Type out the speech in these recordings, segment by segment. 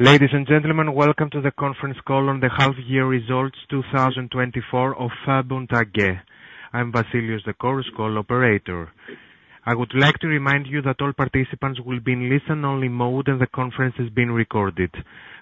Ladies and gentlemen, welcome to the conference call on the half-year results 2024 of VERBUND AG. I'm Basilius Tekol Chorus Call operator. I would like to remind you that all participants will be in listen-only mode and the conference is being recorded.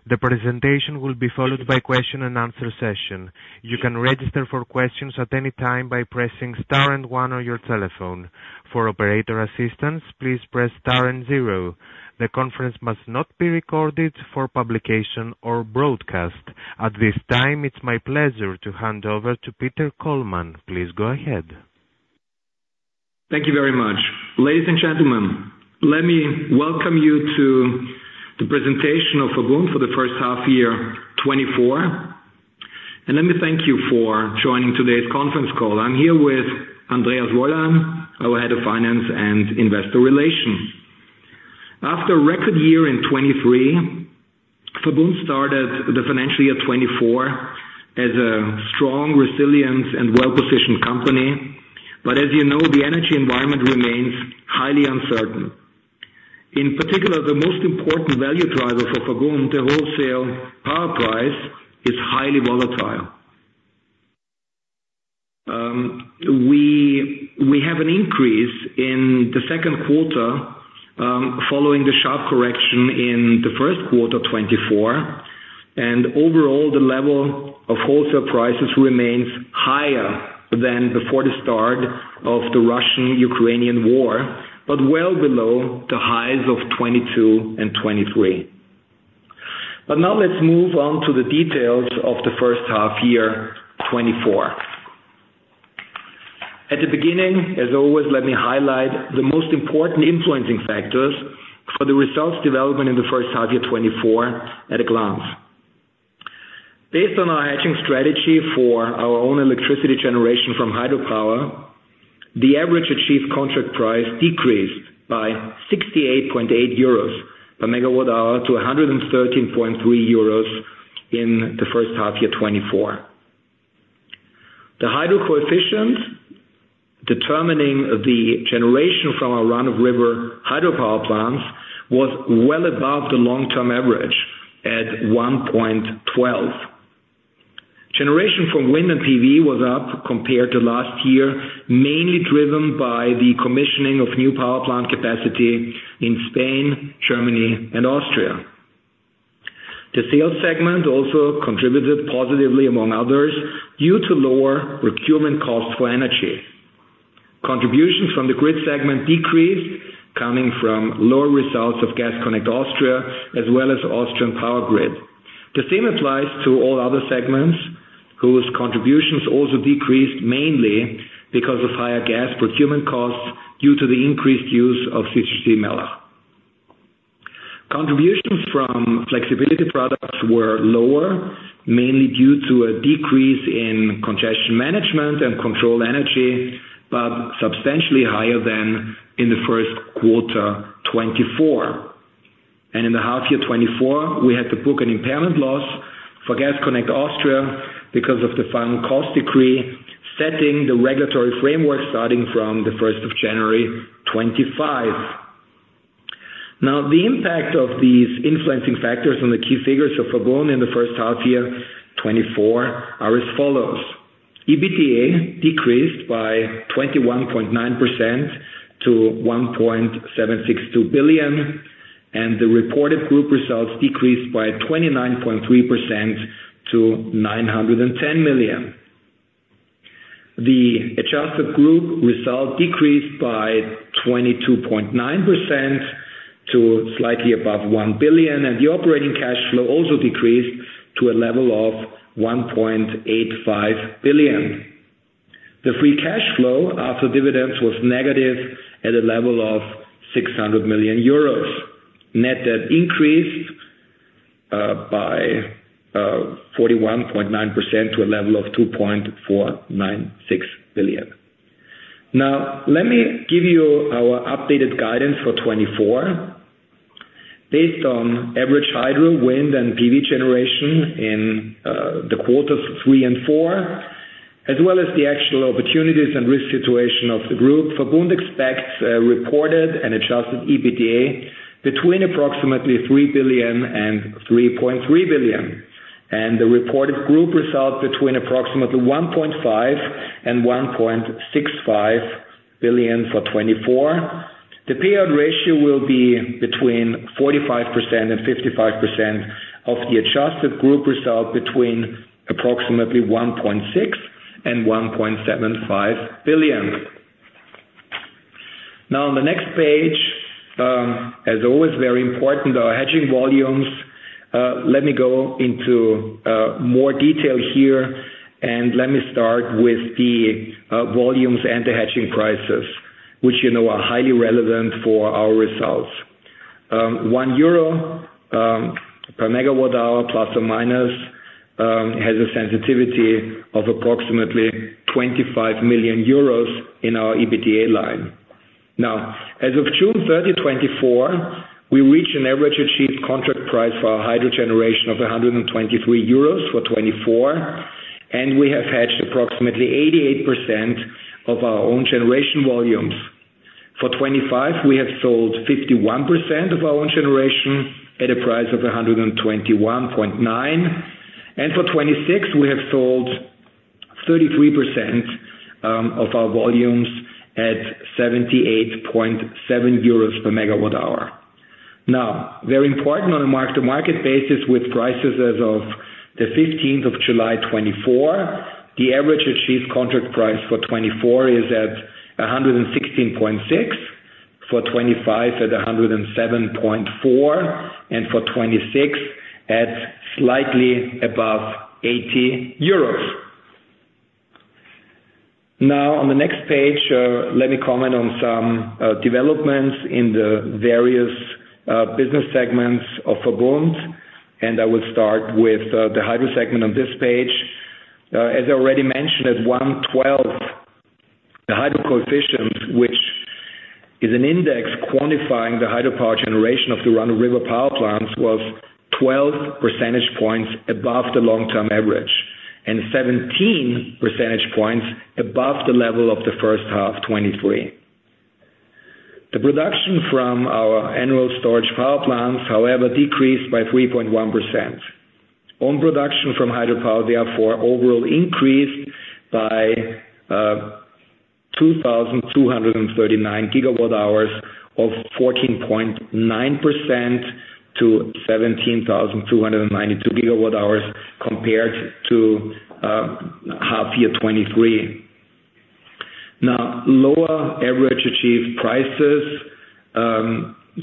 The presentation will be followed by a question-and-answer session. You can register for questions at any time by pressing star and one on your telephone. For operator assistance, please press star and zero. The conference must not be recorded for publication or broadcast. At this time, it's my pleasure to hand over to Peter Kollmann. Please go ahead. Thank you very much. Ladies and gentlemen, let me welcome you to the presentation of VERBUND for the first half-year 2024. And let me thank you for joining today's conference call. I'm here with Andreas Wollein, our head of finance and investor relations. After a record year in 2023, VERBUND started the financial year 2024 as a strong, resilient, and well-positioned company. But as you know, the energy environment remains highly uncertain. In particular, the most important value driver for VERBUND, the wholesale power price, is highly volatile. We have an increase in the second quarter following the sharp correction in the first quarter 2024. And overall, the level of wholesale prices remains higher than before the start of the Russian-Ukrainian war, but well below the highs of 2022 and 2023. But now let's move on to the details of the first half-year 2024. At the beginning, as always, let me highlight the most important influencing factors for the results development in the first half-year 2024 at a glance. Based on our hedging strategy for our own electricity generation from hydropower, the average achieved contract price decreased by 68.8 euros per megawatt-hour to 113.3 euros in the first half-year 2024. The hydro coefficient determining the generation from our run-of-river hydropower plants was well above the long-term average at 1.12. Generation from wind and PV was up compared to last year, mainly driven by the commissioning of new power plant capacity in Spain, Germany, and Austria. The sales segment also contributed positively, among others, due to lower procurement costs for energy. Contributions from the grid segment decreased, coming from lower results of Gas Connect Austria, as well as Austrian Power Grid. The same applies to all other segments, whose contributions also decreased mainly because of higher gas procurement costs due to the increased use of CCGT Mellach. Contributions from flexibility products were lower, mainly due to a decrease in congestion management and control energy, but substantially higher than in the first quarter 2024.In the half-year 2024, we had to book an impairment loss for Gas Connect Austria because of the final cost decree, setting the regulatory framework starting from the 1st of January 2025. Now, the impact of these influencing factors on the key figures of VERBUND in the first half-year 2024 are as follows: EBITDA decreased by 21.9% to 1.762 billion, and the reported group results decreased by 29.3% to 910 million. The adjusted group result decreased by 22.9% to slightly above 1 billion, and the operating cash flow also decreased to a level of 1.85 billion. The free cash flow after dividends was negative at a level of 600 million euros. Net debt increased by 41.9% to a level of 2.496 billion. Now, let me give you our updated guidance for 2024. Based on average hydro, wind, and PV generation in the quarters three and four, as well as the actual opportunities and risk situation of the group, VERBUND expects a reported and adjusted EBITDA between approximately 3 billion and 3.3 billion. The reported group result between approximately 1.5 billion and 1.65 billion for 2024. The payout ratio will be between 45% and 55% of the adjusted group result between approximately 1.6 billion and 1.75 billion. Now, on the next page, as always, very important, our hedging volumes. Let me go into more detail here, and let me start with the volumes and the hedging prices, which are highly relevant for our results. 1 euro per megawatt-hour, ±, has a sensitivity of approximately 25 million euros in our EBITDA line. Now, as of June 30, 2024, we reach an average achieved contract price for our hydro generation of 123 euros for 2024, and we have hedged approximately 88% of our own generation volumes. For 2025, we have sold 51% of our own generation at a price of 121.9. For 2026, we have sold 33% of our volumes at 78.7 euros per megawatt-hour. Now, very important on a mark-to-market basis, with prices as of the 15th of July 2024, the average achieved contract price for 2024 is at 116.6, for 2025 at 107.4, and for 2026 at slightly above 80 euros. Now, on the next page, let me comment on some developments in the various business segments of VERBUND. I will start with the hydro segment on this page. As I already mentioned, at 1.12, the hydro coefficient, which is an index quantifying the hydropower generation of the run-of-river power plants, was 12 percentage points above the long-term average and 17 percentage points above the level of the first half 2023. The production from our annual storage power plants, however, decreased by 3.1%. Our production from hydropower, therefore, overall increased by 2,239 gigawatt-hours or 14.9% to 17,292 gigawatt-hours compared to half-year 2023. Now, lower average achieved prices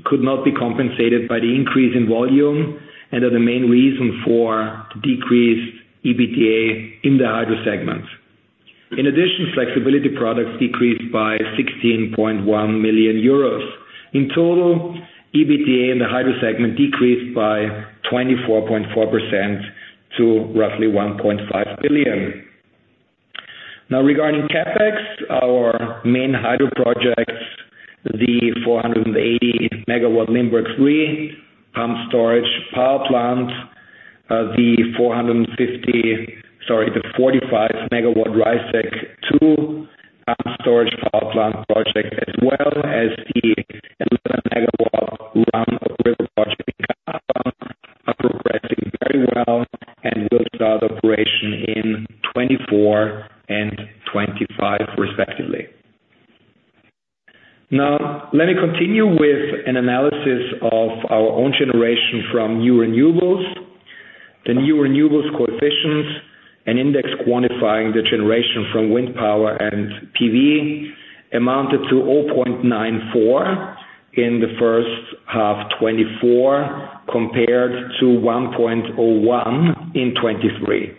could not be compensated by the increase in volume and are the main reason for decreased EBITDA in the hydro segment. In addition, flexibility products decreased by 16.1 million euros. In total, EBITDA in the hydro segment decreased by 24.4% to roughly 1.5 billion. Now, regarding CAPEX, our main hydro projects, the 480-megawatt Limberg III pumped storage power plant, the 45-megawatt Reisseck II pumped storage power plant project, as well as the 11-megawatt run-of-river project in Gratkorn, are progressing very well and will start operation in 2024 and 2025, respectively. Now, let me continue with an analysis of our own generation from new renewables. The new renewables coefficient, an index quantifying the generation from wind power and PV, amounted to 0.94 in the first half 2024 compared to 1.01 in 2023.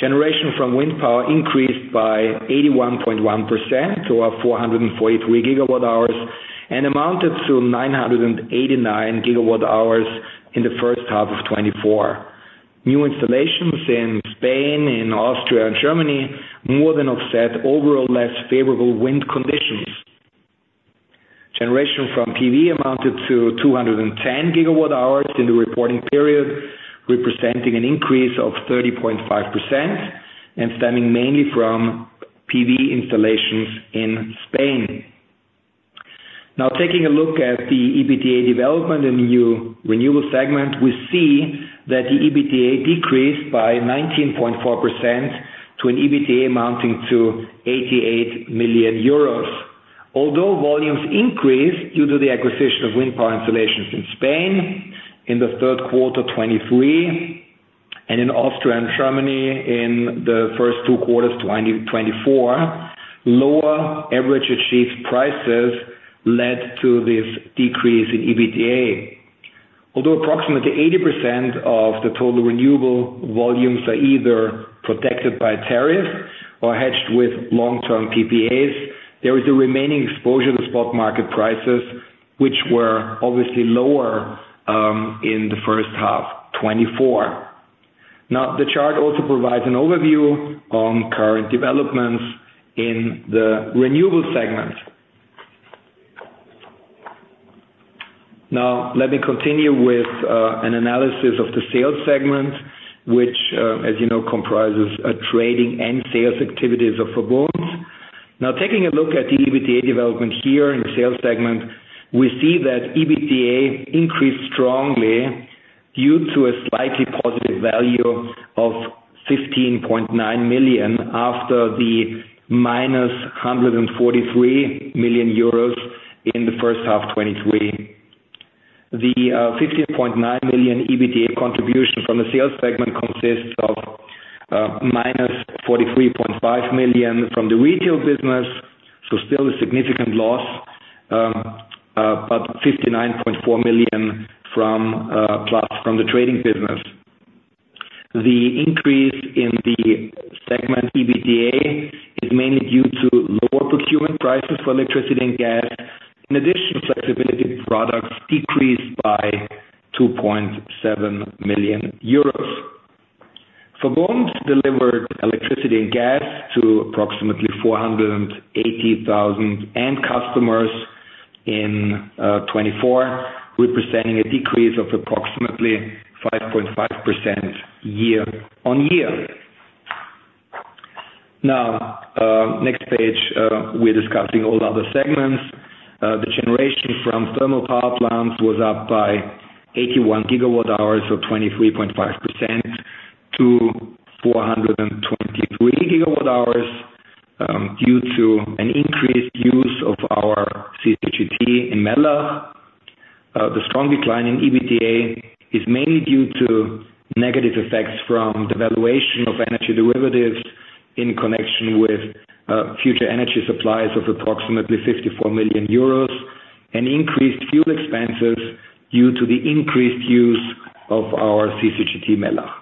Generation from wind power increased by 81.1% to 443 gigawatt-hours and amounted to 989 gigawatt-hours in the first half of 2024. New installations in Spain, in Austria, and Germany more than offset overall less favorable wind conditions. Generation from PV amounted to 210 gigawatt-hours in the reporting period, representing an increase of 30.5% and stemming mainly from PV installations in Spain. Now, taking a look at the EBITDA development in the new renewable segment, we see that the EBITDA decreased by 19.4% to an EBITDA amounting to 88 million euros. Although volumes increased due to the acquisition of wind power installations in Spain in the third quarter 2023 and in Austria and Germany in the first two quarters 2024, lower average achieved prices led to this decrease in EBITDA. Although approximately 80% of the total renewable volumes are either protected by tariffs or hedged with long-term PPAs, there is a remaining exposure to spot market prices, which were obviously lower in the first half 2024. Now, the chart also provides an overview on current developments in the renewable segment. Now, let me continue with an analysis of the sales segment, which, as you know, comprises trading and sales activities of VERBUND. Now, taking a look at the EBITDA development here in the sales segment, we see that EBITDA increased strongly due to a slightly positive value of 15.9 million after the -143 million euros in the first half 2023. The 15.9 million EBITDA contribution from the sales segment consists of -43.5 million from the retail business, so still a significant loss, but +59.4 million from the trading business. The increase in the segment EBITDA is mainly due to lower procurement prices for electricity and gas, in addition to flexibility products decreased by 2.7 million euros. VERBUND delivered electricity and gas to approximately 480,000 end customers in 2024, representing a decrease of approximately 5.5% year-on-year. Now, next page, we're discussing all other segments. The generation from thermal power plants was up by 81 gigawatt-hours, so 23.5%, to 423 gigawatt-hours due to an increased use of our CCGT in Mellach. The strong decline in EBITDA is mainly due to negative effects from the valuation of energy derivatives in connection with future energy supplies of approximately 54 million euros, and increased fuel expenses due to the increased use of our CCGT Mellach.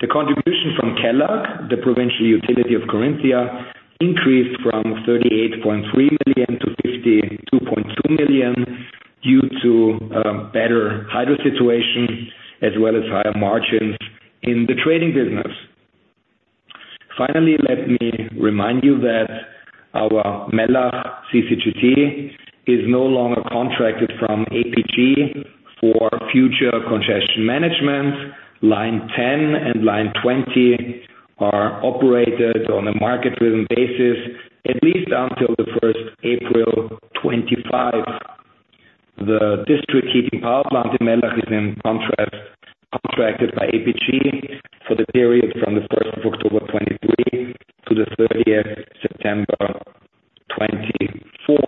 The contribution from KELAG, the provincial utility of Carinthia, increased from 38.3 million to 52.2 million due to better hydro situation, as well as higher margins in the trading business. Finally, let me remind you that our Mellach CCGT is no longer contracted from APG for future congestion management. Line 10 and Line 20 are operated on a market-driven basis at least until the 1st April 2025. The district heating power plant in Mellach is, in contrast, contracted by APG for the period from the 1st of October 2023 to the 30th of September 2024.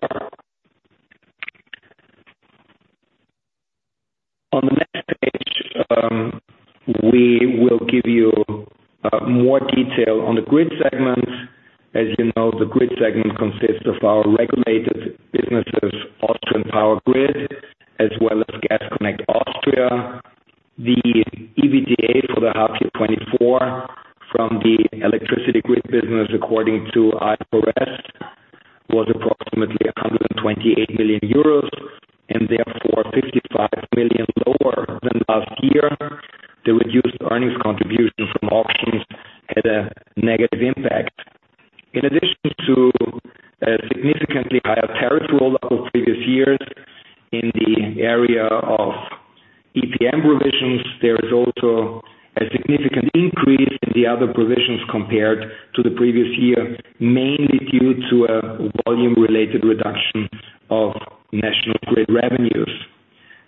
On the next page, we will give you more detail on the grid segment. As you know, the grid segment consists of our regulated businesses, Austrian Power Grid, provisions compared to the previous year, mainly due to a volume-related reduction of national grid revenues.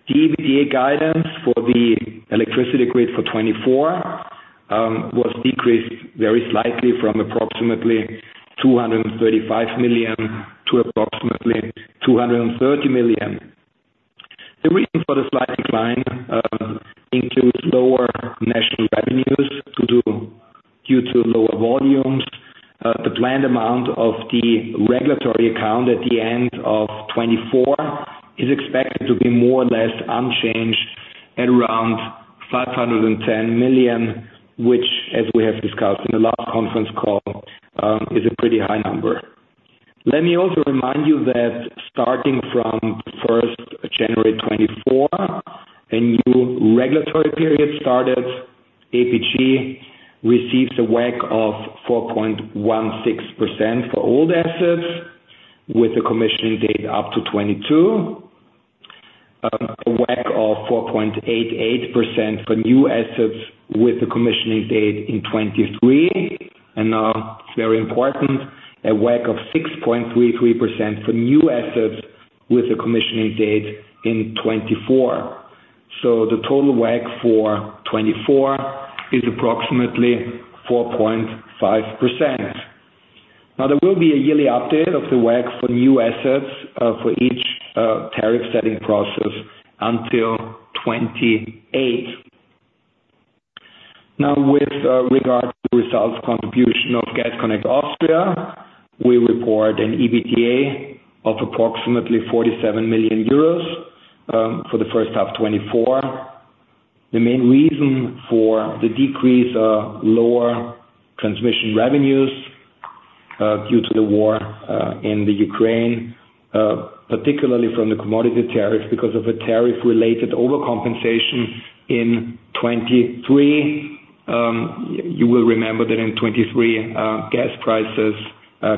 The EBITDA guidance for the electricity grid for 2024 was decreased very slightly from approximately 235 million to approximately 230 million. The reason for the slight decline includes lower national revenues due to lower volumes. The planned amount of the regulatory account at the end of 2024 is expected to be more or less unchanged at around 510 million, which, as we have discussed in the last conference call, is a pretty high number. Let me also remind you that starting from the 1st of January 2024, a new regulatory period started. APG receives a WACC of 4.16% for old assets, with the commissioning date up to 2022, a WACC of 4.88% for new assets with the commissioning date in 2023. And now, it's very important, a WACC of 6.33% for new assets with the commissioning date in 2024. So the total WACC for 2024 is approximately 4.5%. Now, there will be a yearly update of the WACC for new assets for each tariff-setting process until 2028. Now, with regard to results contribution of Gas Connect Austria, we report an EBITDA of approximately 47 million euros for the first half 2024. The main reason for the decrease are lower transmission revenues due to the war in Ukraine, particularly from the commodity tariff because of a tariff-related overcompensation in 2023. You will remember that in 2023, gas prices,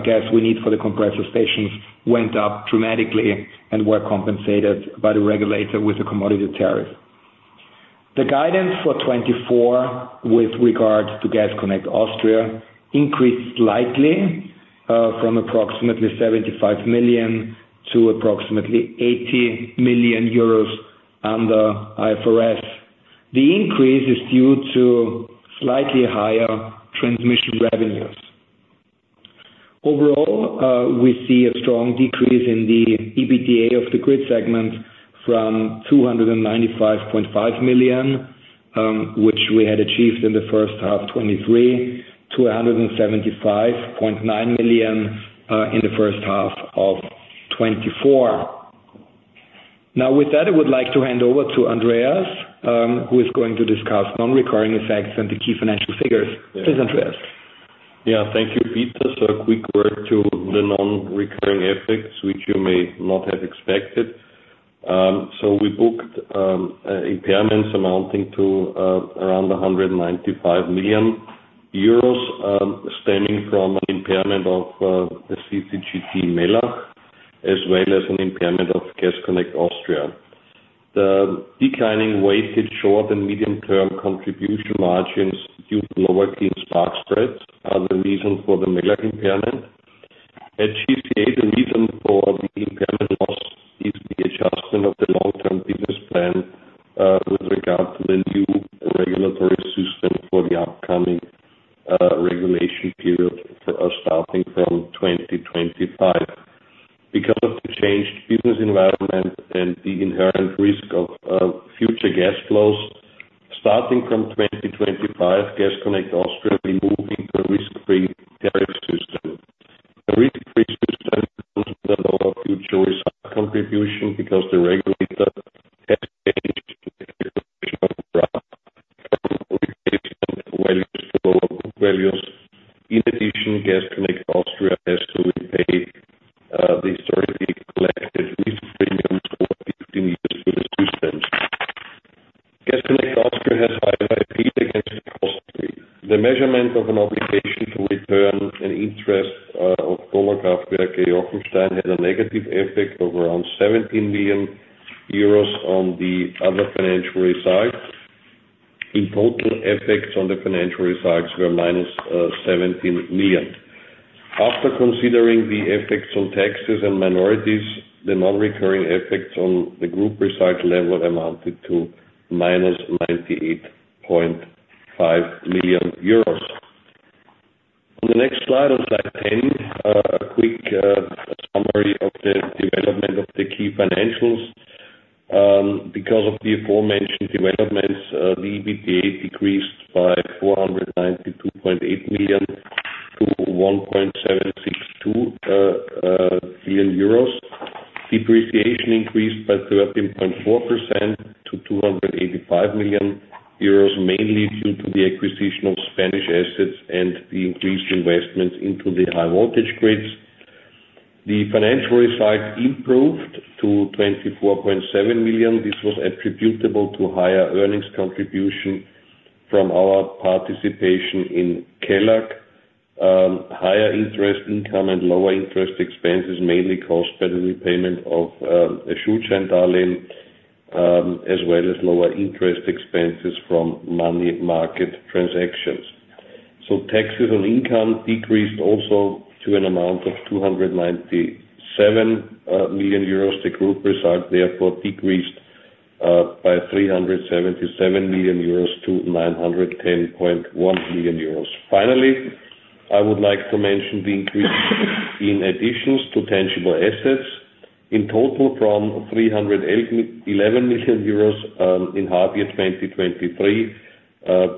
gas we need for the compressor stations, went up dramatically and were compensated by the regulator with the commodity tariff. The guidance for 2024 with regard to Gas Connect Austria increased slightly from approximately 75 million to approximately 80 million euros under IFRS. The increase is due to slightly higher transmission revenues. Overall, we see a strong decrease in the EBITDA of the grid segment from 295.5 million, which we had achieved in the first half 2023, to 175.9 million in the first half of 2024.Now, with that, I would like to hand over to Andreas, who is going to discuss non-recurring effects and the key financial figures. Please, Andreas. Yeah, thank you, Peter. So a quick word to the non-recurring effects, which you may not have expected. So we booked impairments amounting to around 195 million euros, stemming from an impairment of the CCGT Mellach, as well as an impairment of Gas Connect Austria. The declining weighted short and medium-term contribution margins due to lower clean spark spreads are the reason for the Mellach impairment. At GCA, the reason for the impairment loss is the adjustment of the long-term business plan with regard to the new regulatory system for the upcoming regulation period starting from 2025. Because of the changed business environment and the inherent risk of future gas flows, starting from 2025, Gas Connect Because of the aforementioned developments, the EBITDA decreased by 492.8 million to 1,762 million euros. Depreciation increased by 13.4% to 285 million euros, mainly due to the acquisition of Spanish assets and the increased investments into the high-voltage grids. The financial results improved to 24.7 million. This was attributable to higher earnings contribution from our participation in KELAG. Higher interest income and lower interest expenses mainly caused by the repayment of a Schuldscheindarlehen, as well as lower interest expenses from money market transactions. Taxes on income decreased also to an amount of 297 million euros. The group result, therefore, decreased by 377 million euros to 910.1 million euros. Finally, I would like to mention the increase in additions to tangible assets. In total, from 311 million euros in half-year 2023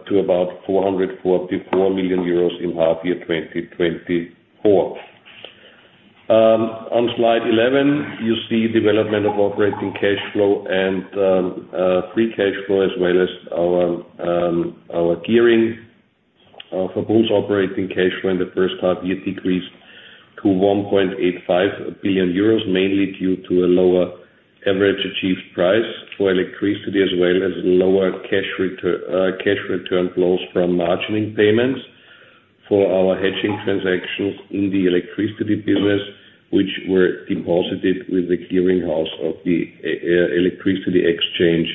to about 444 million euros in half-year 2024. On slide 11, you see development of operating cash flow and free cash flow, as well as our gearing. VERBUND's operating cash flow in the first half year decreased to 1.85 billion euros, mainly due to a lower average achieved price for electricity, as well as lower cash return flows from margining payments for our hedging transactions in the electricity business, which were deposited with the clearing house of the electricity exchange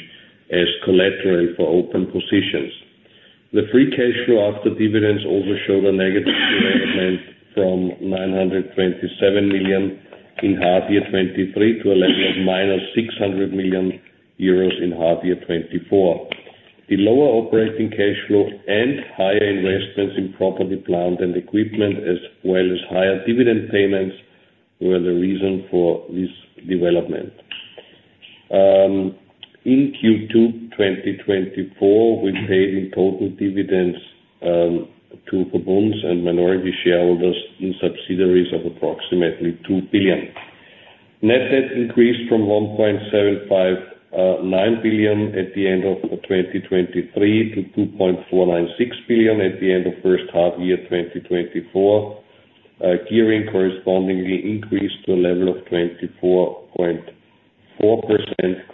as collateral for open positions. The free cash flow after dividends also showed a negative development from 927 million in half-year 2023 to a level of minus 600 million euros in half-year 2024. The lower operating cash flow and higher investments in property plant and equipment, as well as higher dividend payments, were the reason for this development. In Q2 2024, we paid in total dividends to VERBUND and minority shareholders in subsidiaries of approximately 2 billion. Net debt increased from 1.759 billion at the end of 2023 to 2.496 billion at the end of first half year 2024. Gearing correspondingly increased to a level of 24.4%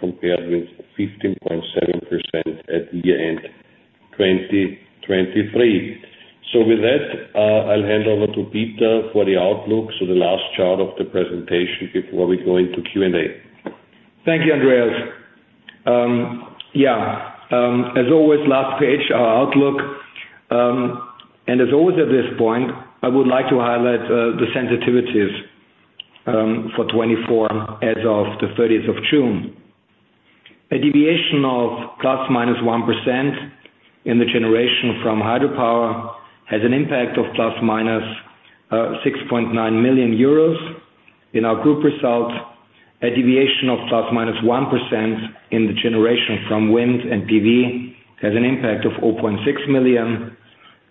compared with 15.7% at year-end 2023. So with that, I'll hand over to Peter for the outlook, so the last chart of the presentation before we go into Q&A. Thank you, Andreas. Yeah, as always, last page, our outlook. And as always at this point, I would like to highlight the sensitivities for 2024 as of the 30th of June.A deviation of ±1% in the generation from hydropower has an impact of ±6.9 million euros in our group result. A deviation of ±1% in the generation from wind and PV has an impact of 0.6 million,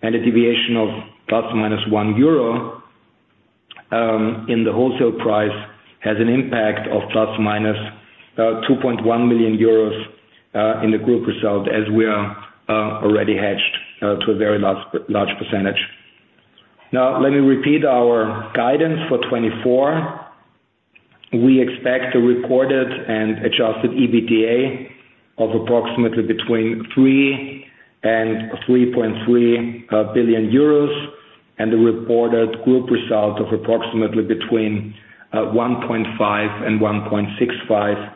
and a deviation of ±1 euro in the wholesale price has an impact of ±2.1 million euros in the group result, as we are already hedged to a very large percentage. Now, let me repeat our guidance for 2024. We expect the reported and adjusted EBITDA of approximately 3 billion-3.3 billion euros and the reported group result of approximately 1.5 billion-1.65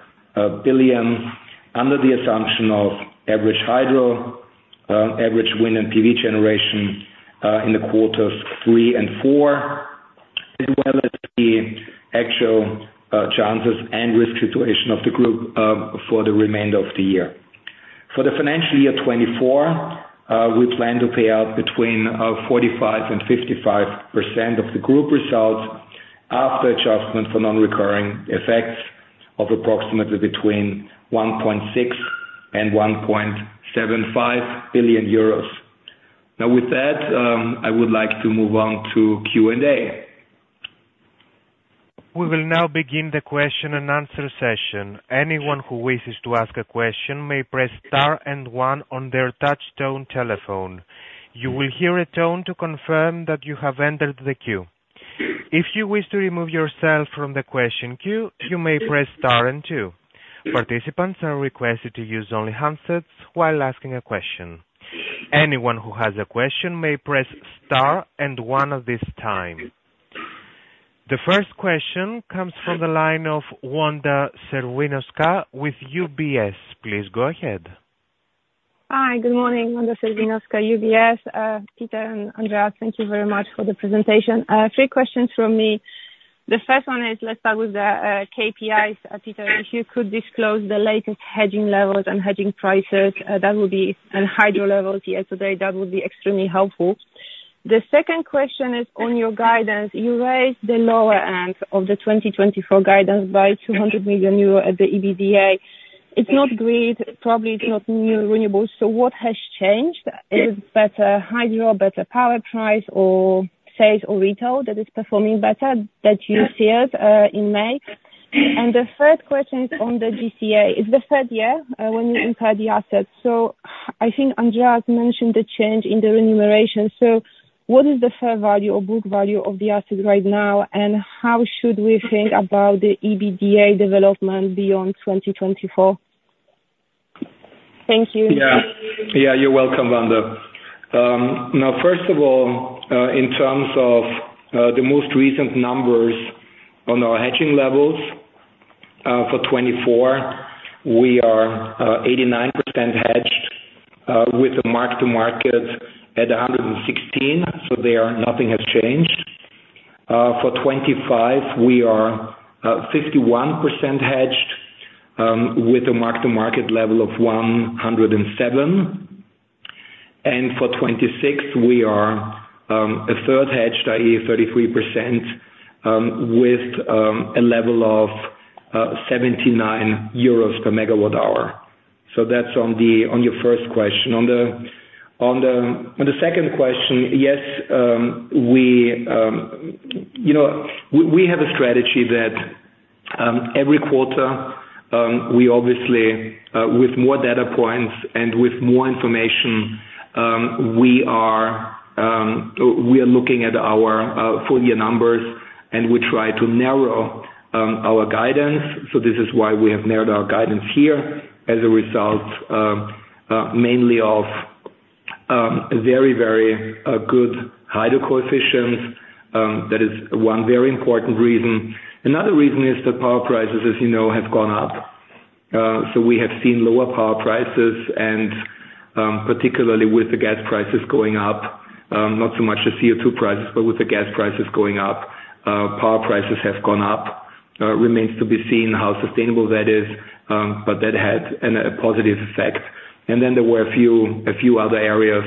billion under the assumption of average hydro, average wind and PV generation in quarters 3 and 4, as well as the actual chances and risk situation of the group for the remainder of the year. For the financial year 2024, we plan to pay out 45%-55% of the group result after adjustment for non-recurring effects of approximately 1.6 billion-1.75 billion euros. Now, with that, I would like to move on to Q&A. We will now begin the question and answer session. Anyone who wishes to ask a question may press star and one on their touchtone telephone. You will hear a tone to confirm that you have entered the queue. If you wish to remove yourself from the question queue, you may press star and two. Participants are requested to use only handsets while asking a question. Anyone who has a question may press star and one at this time. The first question comes from the line of Wanda Serwinowska with UBS. Please go ahead. Hi, good morning, Wanda Serwinowska UBS. Peter and Andreas, thank you very much for the presentation. Three questions from me. The first one is, let's start with the KPIs. Peter, if you could disclose the latest hedging levels and hedging prices, that would be on hydro levels here today. That would be extremely helpful. The second question is, on your guidance, you raised the lower end of the 2024 guidance by 200 million euro at the EBITDA. It's not grid, probably it's not renewables. So what has changed? Is it better hydro, better power price, or sales or retail that is performing better that you see it in May? And the third question is on the GCA. Is the third year when you incur the assets? So I think Andreas mentioned the change in the remuneration. So what is the fair value or book value of the asset right now, and how should we think about the EBITDA development beyond 2024? Thank you. Yeah, you're welcome, Wanda. Now, first of all, in terms of the most recent numbers on our hedging levels for 2024, we are 89% hedged with a mark-to-market of €116/MWh, so nothing has changed. For 2025, we are 51% hedged with a mark-to-market level of €107/MWh. And for 2026, we are a third hedged, i.e., 33% with a level of €79/MWh. So that's on your first question. On the second question, yes, we have a strategy that every quarter, we obviously, with more data points and with more information, we are looking at our full year numbers, and we try to narrow our guidance. So this is why we have narrowed our guidance here as a result mainly of very, very good hydro coefficients. That is one very important reason. Another reason is that power prices, as you know, have gone up. So we have seen lower power prices, and particularly with the gas prices going up, not so much the CO2 prices, but with the gas prices going up, power prices have gone up. Remains to be seen how sustainable that is, but that had a positive effect. And then there were a few other areas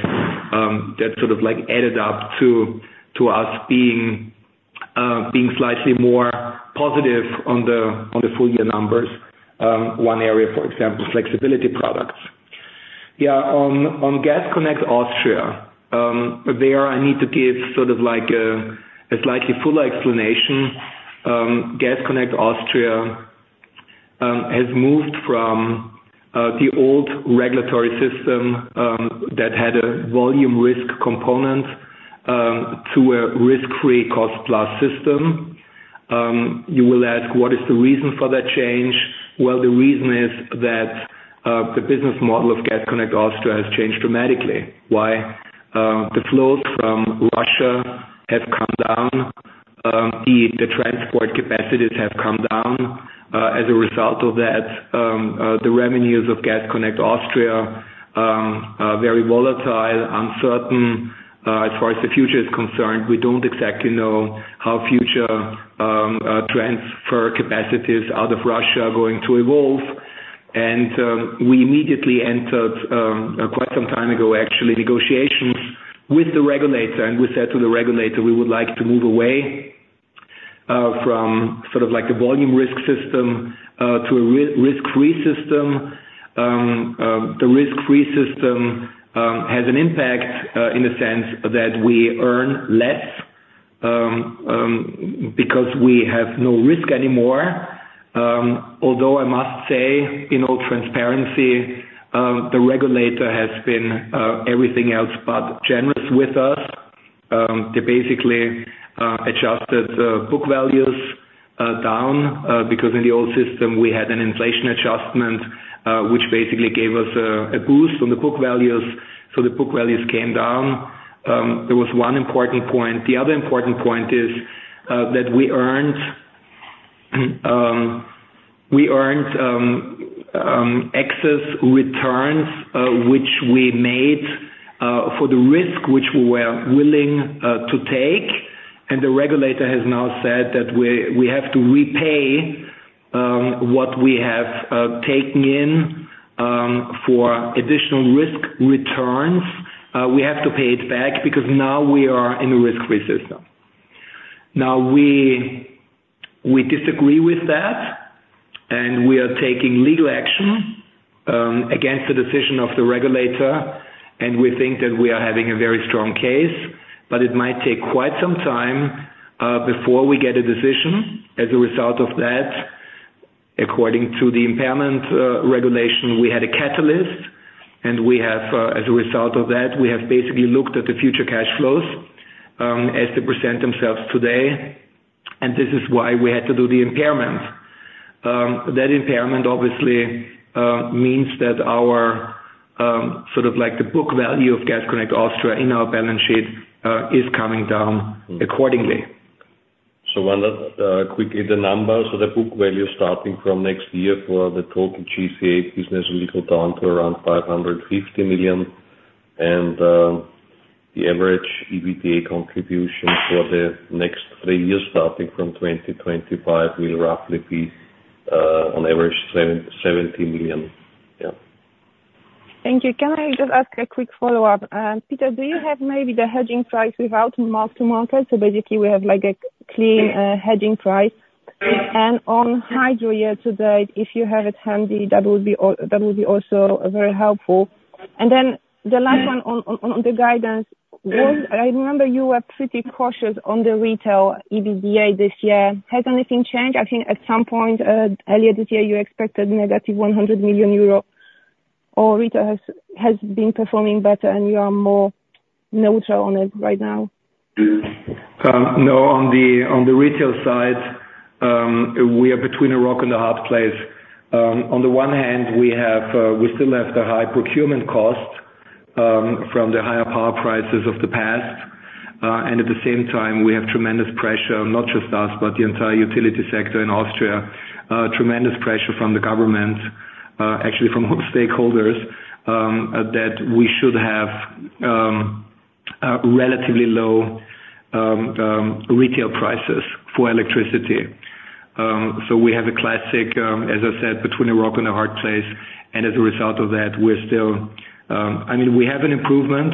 that sort of added up to us being slightly more positive on the full year numbers. One area, for example, flexibility products. Yeah, on Gas Connect Austria, there I need to give sort of a slightly fuller explanation. Gas Connect Austria has moved from the old regulatory system that had a volume risk component to a risk-free cost-plus system. You will ask, what is the reason for that change? Well, the reason is that the business model of Gas Connect Austria has changed dramatically. Why? The flows from Russia have come down. The transport capacities have come down. As a result of that, the revenues of Gas Connect Austria are very volatile, uncertain. As far as the future is concerned, we don't exactly know how future transfer capacities out of Russia are going to evolve. We immediately entered, quite some time ago, actually, negotiations with the regulator, and we said to the regulator, we would like to move away from sort of the volume risk system to a risk-free system. The risk-free system has an impact in the sense that we earn less because we have no risk anymore. Although I must say, in all transparency, the regulator has been everything else but generous with us. They basically adjusted book values down because in the old system, we had an inflation adjustment, which basically gave us a boost on the book values. So the book values came down. There was one important point. The other important point is that we earned excess returns, which we made for the risk which we were willing to take. The regulator has now said that we have to repay what we have taken in for additional risk returns. We have to pay it back because now we are in a risk-free system. Now, we disagree with that, and we are taking legal action against the decision of the regulator, and we think that we are having a very strong case. It might take quite some time before we get a decision. As a result of that, according to the impairment regulation, we had a catalyst, and as a result of that, we have basically looked at the future cash flows as they present themselves today. This is why we had to do the impairment. That impairment obviously means that our sort of the book value of Gas Connect Austria in our balance sheet is coming down accordingly. So Wanda, quickly, the numbers for the book value starting from next year for the total GCA business will go down to around 550 million. And the average EBITDA contribution for the next three years starting from 2025 will roughly be, on average, 70 million. Yeah. Thank you. Can I just ask a quick follow-up? Peter, do you have maybe the hedging price without mark-to-market? So basically, we have a clean hedging price. And on hydro year to date, if you have it handy, that would be also very helpful. And then the last one on the guidance, I remember you were pretty cautious on the retail EBITDA this year. Has anything changed? I think at some point earlier this year, you expected negative 100 million euro, or retail has been performing better, and you are more neutral on it right now? No, on the retail side, we are between a rock and a hard place. On the one hand, we still have the high procurement cost from the higher power prices of the past. And at the same time, we have tremendous pressure, not just us, but the entire utility sector in Austria, tremendous pressure from the government, actually from all stakeholders, that we should have relatively low retail prices for electricity. So we have a classic, as I said, between a rock and a hard place. And as a result of that, we're still, I mean, we have an improvement,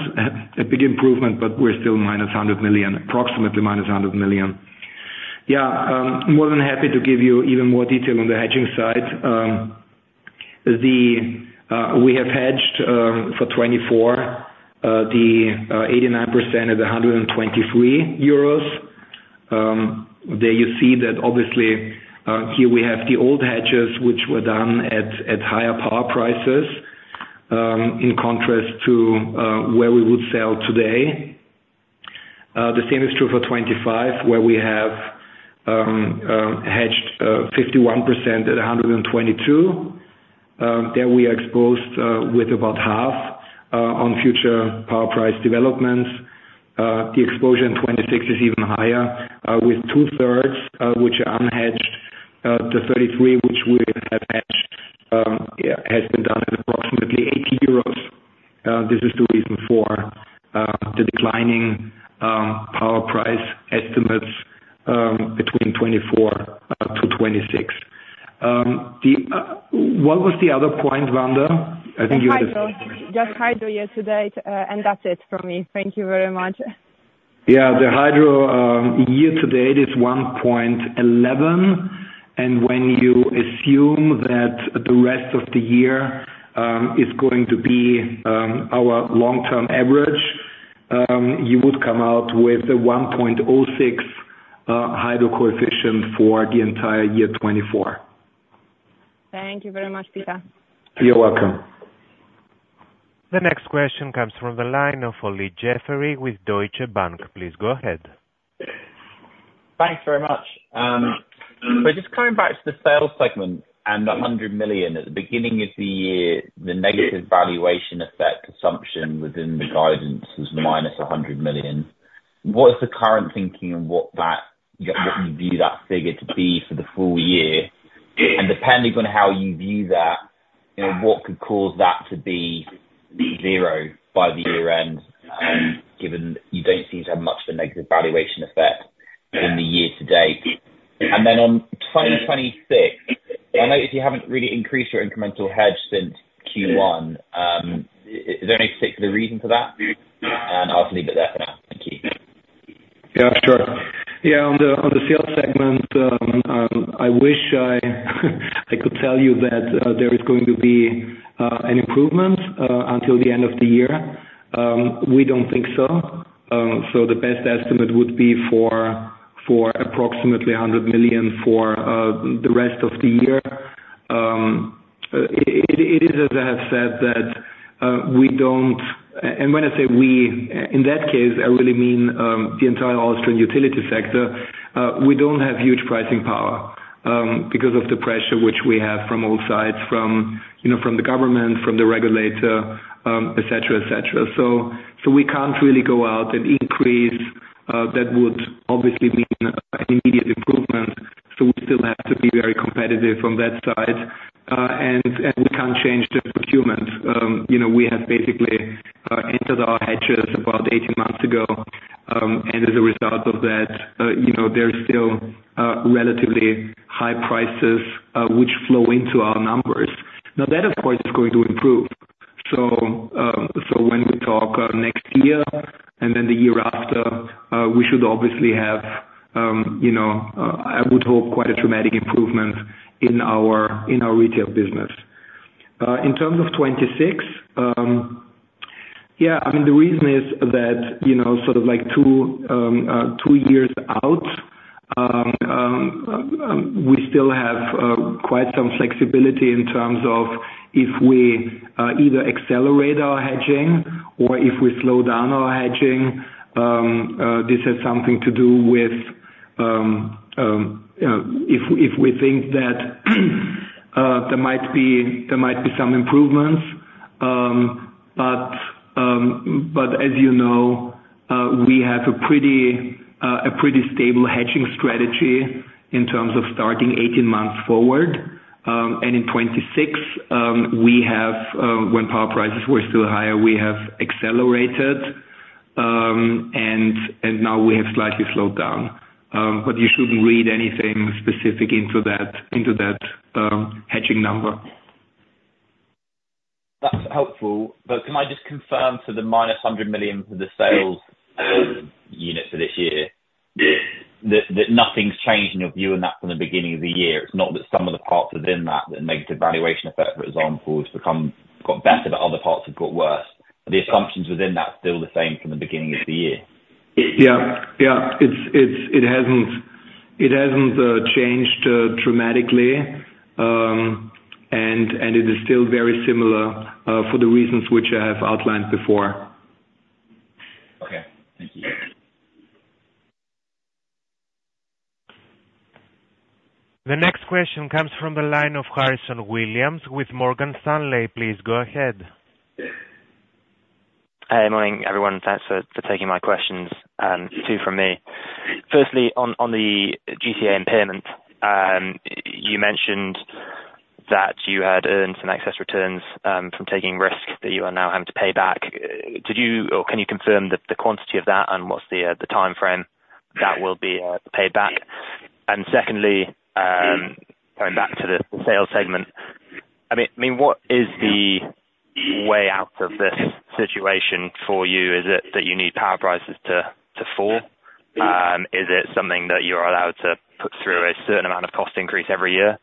a big improvement, but we're still minus 100 million, approximately minus 100 million. Yeah, more than happy to give you even more detail on the hedging side. We have hedged for 2024 the 89% at 123 euros. There you see that obviously here we have the old hedges, which were done at higher power prices in contrast to where we would sell today. The same is true for 2025, where we have hedged 51% at 122. There we are exposed with about half on future power price developments. The exposure in 2026 is even higher, with two-thirds, which are unhedged. The 33, which we have hedged, has been done at approximately 80 euros. This is the reason for the declining power price estimates between 2024 to 2026. What was the other point, Wanda?I think you had the hydro. Just hydro year to date, and that's it from me. Thank you very much. Yeah, the hydro year to date is 1.11. When you assume that the rest of the year is going to be our long-term average, you would come out with a 1.06 hydro coefficient for the entire year 2024. Thank you very much, Peter. You're welcome. The next question comes from the line of Olly Jeffery with Deutsche Bank. Please go ahead. Thanks very much. So just coming back to the sales segment and the 100 million, at the beginning of the year, the negative valuation effect assumption within the guidance was minus 100 million. What is the current thinking and what you view that figure to be for the full year? And depending on how you view that, what could cause that to be zero by the year end, given you don't seem to have much of a negative valuation effect in the year to date? And then on 2026, I know you haven't really increased your incremental hedge since Q1. Is there any particular reason for that? And I'll leave it there for now. Thank you. Yeah, sure. Yeah, on the sales segment, I wish I could tell you that there is going to be an improvement until the end of the year. We don't think so. So the best estimate would be for approximately 100 million for the rest of the year. It is, as I have said, that we don't—and when I say we, in that case, I really mean the entire Austrian utility sector, we don't have huge pricing power because of the pressure which we have from all sides, from the government, from the regulator, etc., etc. So we can't really go out and increase. That would obviously mean an immediate improvement. So we still have to be very competitive on that side. And we can't change the procurement. We have basically entered our hedges about 18 months ago. And as a result of that, there are still relatively high prices which flow into our numbers. Now, that, of course, is going to improve. So when we talk next year and then the year after, we should obviously have—I would hope—quite a dramatic improvement in our retail business. In terms of 2026, yeah, I mean, the reason is that sort of two years out, we still have quite some flexibility in terms of if we either accelerate our hedging or if we slow down our hedging. This has something to do with if we think that there might be some improvements. But as you know, we have a pretty stable hedging strategy in terms of starting 18 months forward. And in 2026, when power prices were still higher, we have accelerated, and now we have slightly slowed down. But you shouldn't read anything specific into that hedging number. That's helpful. But can I just confirm for the -100 million for the sales unit for this year that nothing's changed in your view, and that's from the beginning of the year? It's not that some of the parts within that, the negative valuation effect, for example, have got better, but other parts have got worse. The assumptions within that are still the same from the beginning of the year? Yeah. Yeah. It hasn't changed dramatically. And it is still very similar for the reasons which I have outlined before. Okay. Thank you. The next question comes from the line ofHarrison Williams with Morgan Stanley. Please go ahead. Hey, morning, everyone. Thanks for taking my questions, and two from me. Firstly, on the GCA impairment, you mentioned that you had earned some excess returns from taking risk that you are now having to pay back. Can you confirm the quantity of that, and what's the timeframe that will be paid back? And secondly, coming back to the sales segment, I mean, what is the way out of this situation for you? Is it that you need power prices to fall? Is it something that you're allowed to put through a certain amount of cost increase every year?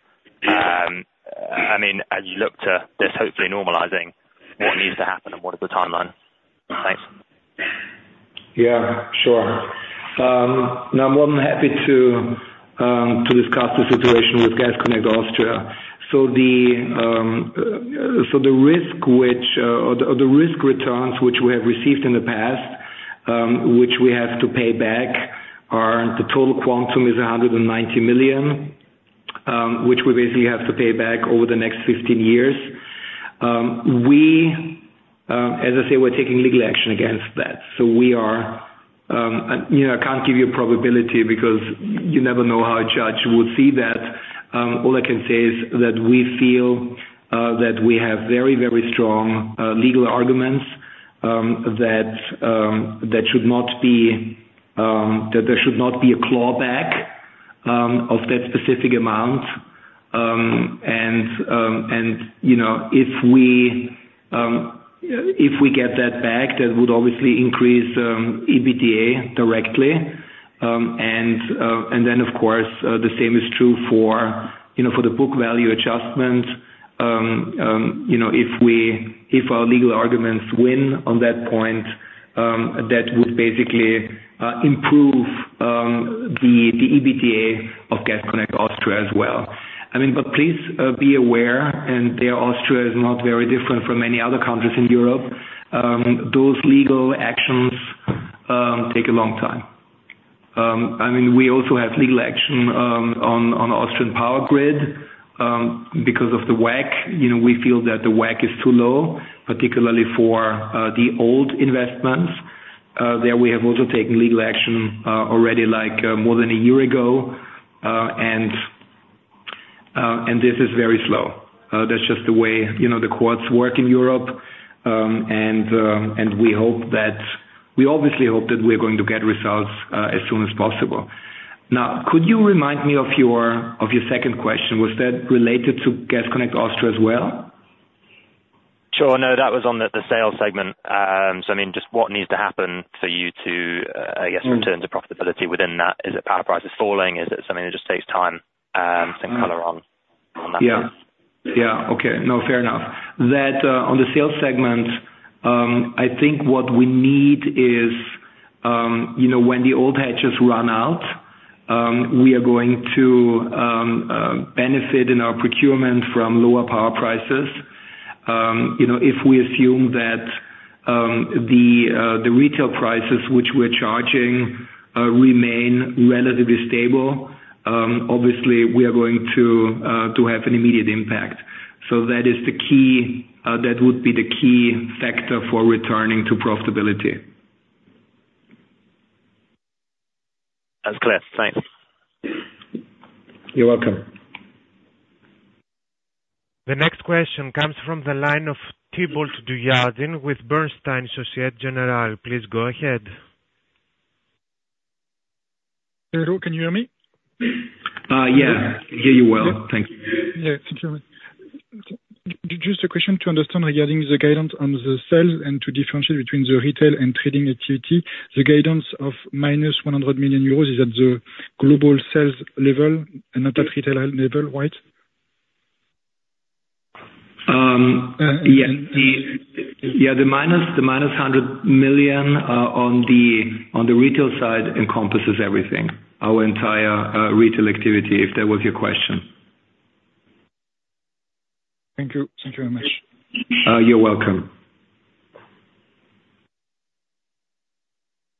I mean, as you look to this hopefully normalizing, what needs to happen, and what is the timeline? Thanks. Yeah, sure. No, I'm more than happy to discuss the situation with Gas Connect Austria. So the risk returns which we have received in the past, which we have to pay back, the total quantum is 190 million, which we basically have to pay back over the next 15 years. As I say, we're taking legal action against that. So I can't give you a probability because you never know how a judge will see that. All I can say is that we feel that we have very, very strong legal arguments that should not be that there should not be a clawback of that specific amount. And if we get that back, that would obviously increase EBITDA directly. And then, of course, the same is true for the book value adjustment. If our legal arguments win on that point, that would basically improve the EBITDA of Gas Connect Austria as well. I mean, but please be aware, Austria is not very different from any other countries in Europe. Those legal actions take a long time. I mean, we also have legal action on Austrian Power Grid because of the WACC. We feel that the WACC is too low, particularly for the old investments. There we have also taken legal action already more than a year ago. This is very slow. That's just the way the courts work in Europe. We obviously hope that we're going to get results as soon as possible. Now, could you remind me of your second question? Was that related to Gas Connect Austria as well? Sure. No, that was on the sales segment. So I mean, just what needs to happen for you to, I guess, return to profitability within that? Is it power prices falling? Is it something that just takes time to color on that? Yeah. Yeah. Okay. No, fair enough. On the sales segment, I think what we need is when the old hedges run out, we are going to benefit in our procurement from lower power prices. If we assume that the retail prices which we're charging remain relatively stable, obviously, we are going to have an immediate impact. So that is the key that would be the key factor for returning to profitability. That's clear. Thanks. You're welcome. The next question comes from the line of Thibault Dujardin with Bernstein Société Générale. Please go ahead. Hello. Can you hear me? Yeah. I hear you well. Thank you. Yeah. Thank you. Just a question to understand regarding the guidance on the sales and to differentiate between the retail and trading activity. The guidance of minus 100 million euros is at the global sales level and not at retail level, right? Yeah. The minus 100 million on the retail side encompasses everything, our entire retail activity, if that was your question. Thank you. Thank you very much. You're welcome.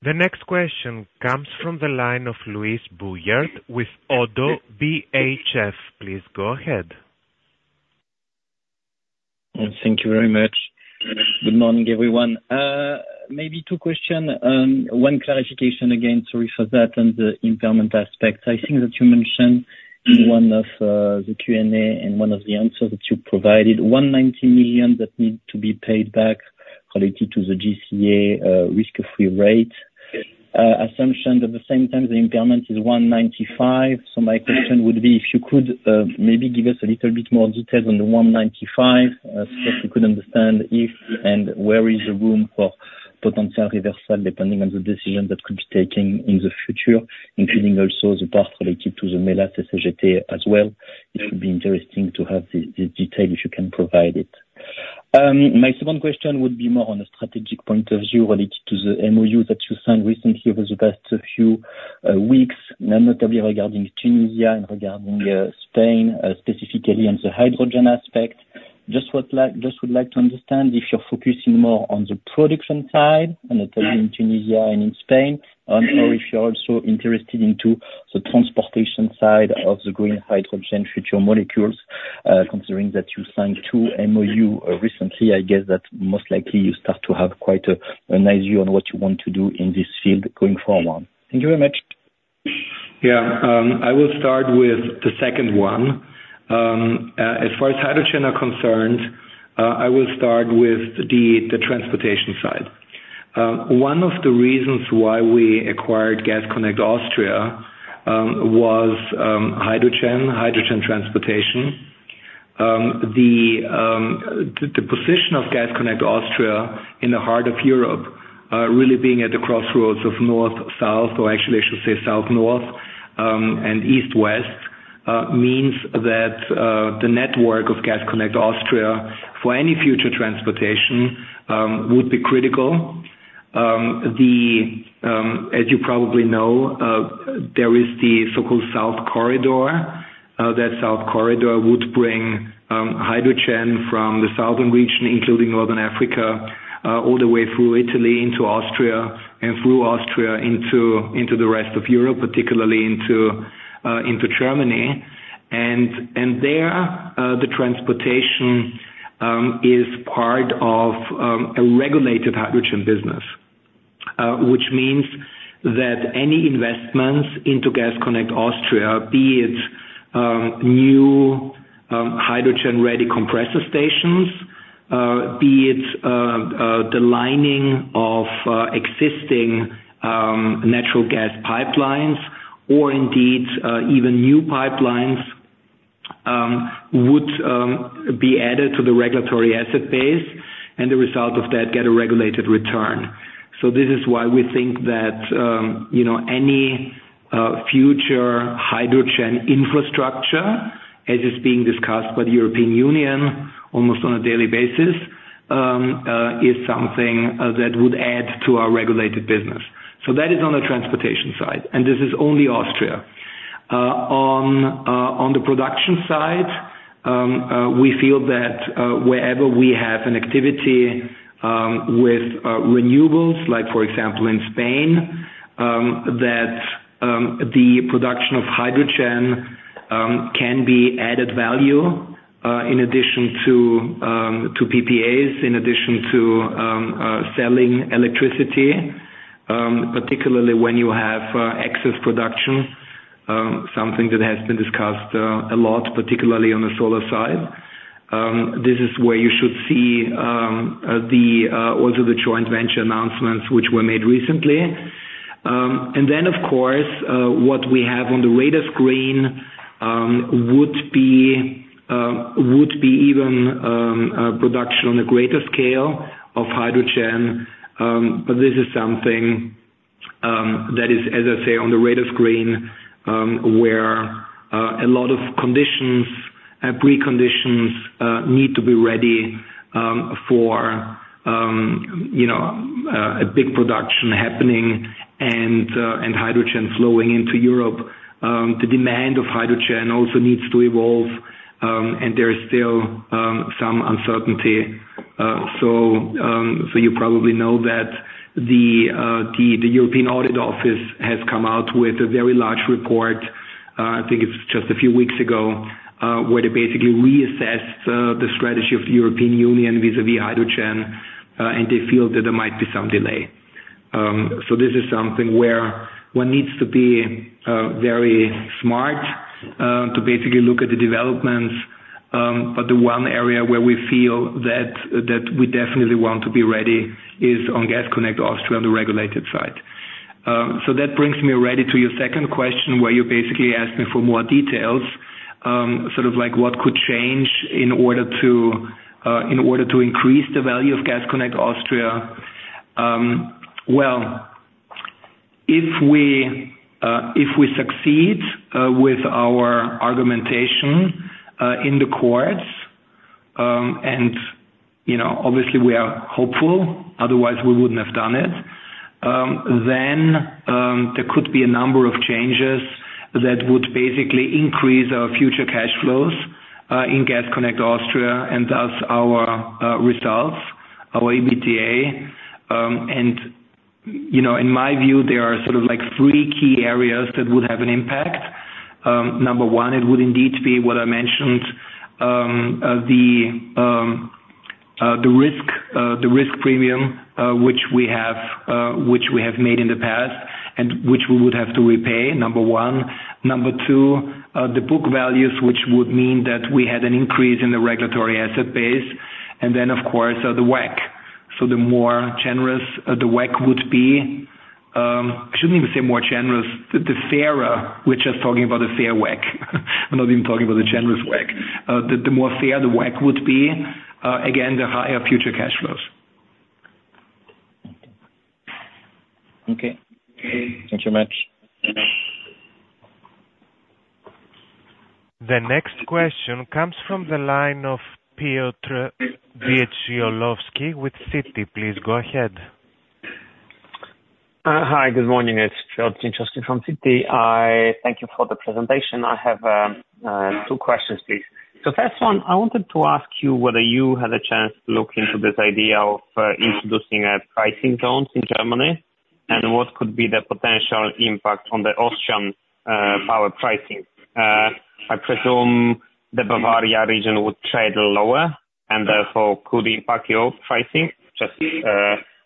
The next question comes from the line of Louis Boujard with Oddo BHF. Please go ahead. Thank you very much. Good morning, everyone. Maybe two questions. One clarification again, sorry for that, on the impairment aspect. I think that you mentioned in one of the Q&A and one of the answers that you provided, 190 million that need to be paid back related to the GCA risk-free rate. Assumption that at the same time, the impairment is 195. So my question would be, if you could maybe give us a little bit more details on the 195, so that we could understand if and where is the room for potential reversal depending on the decision that could be taken in the future, including also the part related to the Mellach CCGT as well. It would be interesting to have this detail if you can provide it. My second question would be more on a strategic point of view related to the MOU that you signed recently over the past few weeks, notably regarding Tunisia and regarding Spain, specifically on the hydrogen aspect. Just would like to understand if you're focusing more on the production side, not only in Tunisia and in Spain, or if you're also interested in the transportation side of the green hydrogen future molecules, considering that you signed two MOUs recently. I guess that most likely you start to have quite a nice view on what you want to do in this field going forward. Thank you very much. Yeah. I will start with the second one. As far as hydrogen are concerned, I will start with the transportation side. One of the reasons why we acquired Gas Connect Austria was hydrogen, hydrogen transportation. The position of Gas Connect Austria in the heart of Europe, really being at the crossroads of north-south, or actually, I should say south-north and east-west, means that the network of Gas Connect Austria for any future transportation would be critical. As you probably know, there is the so-called South Corridor. That South Corridor would bring hydrogen from the southern region, including Northern Africa, all the way through Italy into Austria and through Austria into the rest of Europe, particularly into Germany. And there, the transportation is part of a regulated hydrogen business, which means that any investments into Gas Connect Austria, be it new hydrogen-ready compressor stations, be it the lining of existing natural gas pipelines, or indeed even new pipelines, would be added to the regulatory asset base and, as a result of that, get a regulated return. So this is why we think that any future hydrogen infrastructure, as is being discussed by the European Union almost on a daily basis, is something that would add to our regulated business. So that is on the transportation side. And this is only Austria. On the production side, we feel that wherever we have an activity with renewables, like, for example, in Spain, that the production of hydrogen can be added value in addition to PPAs, in addition to selling electricity, particularly when you have excess production, something that has been discussed a lot, particularly on the solar side. This is where you should see also the joint venture announcements which were made recently. And then, of course, what we have on the radar screen would be even production on a greater scale of hydrogen. But this is something that is, as I say, on the radar screen where a lot of conditions and preconditions need to be ready for a big production happening and hydrogen flowing into Europe. The demand of hydrogen also needs to evolve, and there is still some uncertainty. So you probably know that the European Audit Office has come out with a very large report. I think it's just a few weeks ago where they basically reassessed the strategy of the European Union vis-à-vis hydrogen, and they feel that there might be some delay. So this is something where one needs to be very smart to basically look at the developments. But the one area where we feel that we definitely want to be ready is on Gas Connect Austria, on the regulated side. So that brings me already to your second question where you basically asked me for more details, sort of like what could change in order to increase the value of Gas Connect Austria. Well, if we succeed with our argumentation in the courts, and obviously, we are hopeful. Otherwise, we wouldn't have done it, then there could be a number of changes that would basically increase our future cash flows in Gas Connect Austria and thus our results, our EBITDA. And in my view, there are sort of three key areas that would have an impact. Number one, it would indeed be what I mentioned, the risk premium which we have made in the past and which we would have to repay, number one. Number two, the book values, which would mean that we had an increase in the regulatory asset base. And then, of course, the WACC. So the more generous the WACC would be, I shouldn't even say more generous, the fairer, which is talking about the fair WACC. I'm not even talking about the generous WACC.The more fair the WACC would be, again, the higher future cash flows. Okay. Thank you very much. The next question comes from the line of Piotr Dzieciolowski with Citi. Please go ahead. Hi. Good morning. It's Piotr Dzieciolowski from Citi. Thank you for the presentation. I have two questions, please. So first one, I wanted to ask you whether you had a chance to look into this idea of introducing pricing zones in Germany and what could be the potential impact on the Austrian power pricing. I presume the Bavaria region would trade lower and therefore could impact your pricing. Just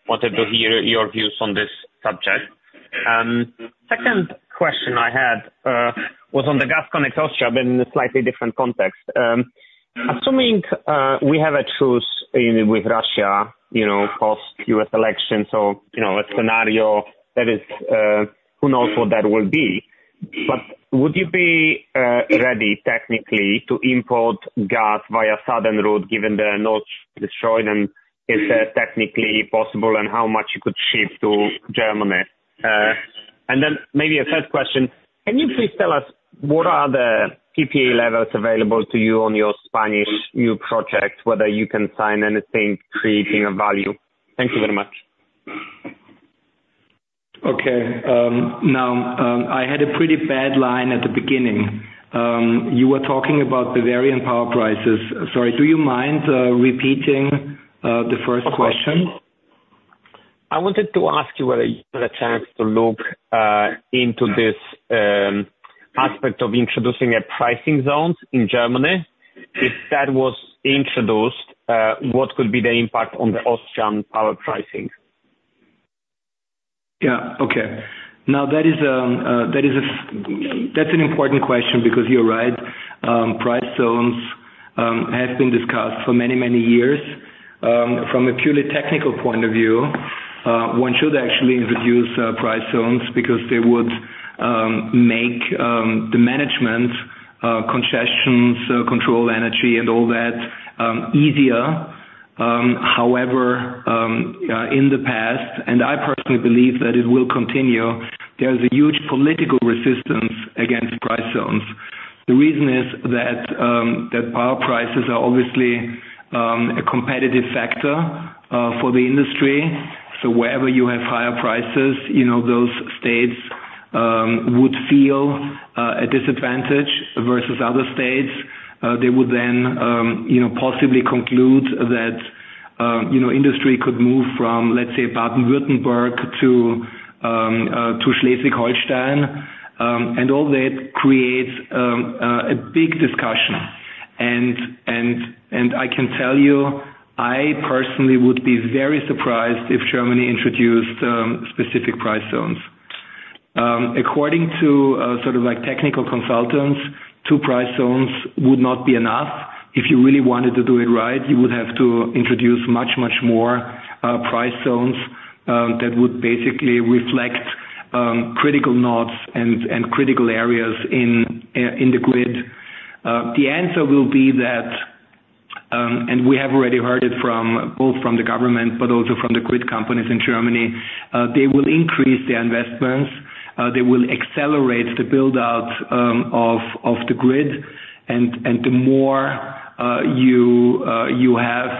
wanted to hear your views on this subject. Second question I had was on the Gas Connect Austria but in a slightly different context. Assuming we have a truce with Russia post-US elections, so a scenario that is—who knows what that will be? But would you be ready technically to import gas via southern route given the Nord Stream destroyed? And is that technically possible, and how much you could ship to Germany? And then maybe a third question. Can you please tell us what are the PPA levels available to you on your Spanish new project, whether you can sign anything creating a value? Thank you very much. Okay. Now, I had a pretty bad line at the beginning. You were talking about Bavarian power prices. Sorry. Do you mind repeating the first question? Of course. I wanted to ask you whether you had a chance to look into this aspect of introducing pricing zones in Germany. If that was introduced, what could be the impact on the Austrian power pricing? Yeah. Okay. Now, that is an important question because you're right. Price zones have been discussed for many, many years. From a purely technical point of view, one should actually introduce price zones because they would make the management concessions, control energy, and all that easier. However, in the past, and I personally believe that it will continue, there is a huge political resistance against price zones. The reason is that power prices are obviously a competitive factor for the industry. So wherever you have higher prices, those states would feel a disadvantage versus other states. They would then possibly conclude that industry could move from, let's say, Baden-Württemberg to Schleswig-Holstein. And all that creates a big discussion. And I can tell you, I personally would be very surprised if Germany introduced specific price zones. According to sort of technical consultants, two price zones would not be enough. If you really wanted to do it right, you would have to introduce much, much more price zones that would basically reflect critical nodes and critical areas in the grid. The answer will be that, and we have already heard it both from the government but also from the grid companies in Germany, they will increase their investments. They will accelerate the build-out of the grid. And the more you have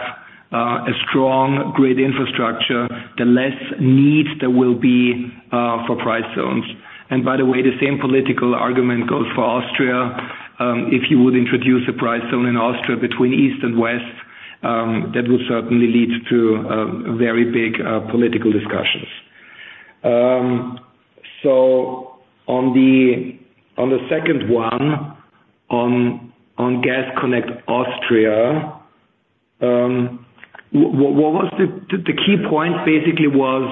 a strong grid infrastructure, the less need there will be for price zones. And by the way, the same political argument goes for Austria. If you would introduce a price zone in Austria between east and west, that would certainly lead to very big political discussions. So on the second one, on Gas Connect Austria, the key point basically was,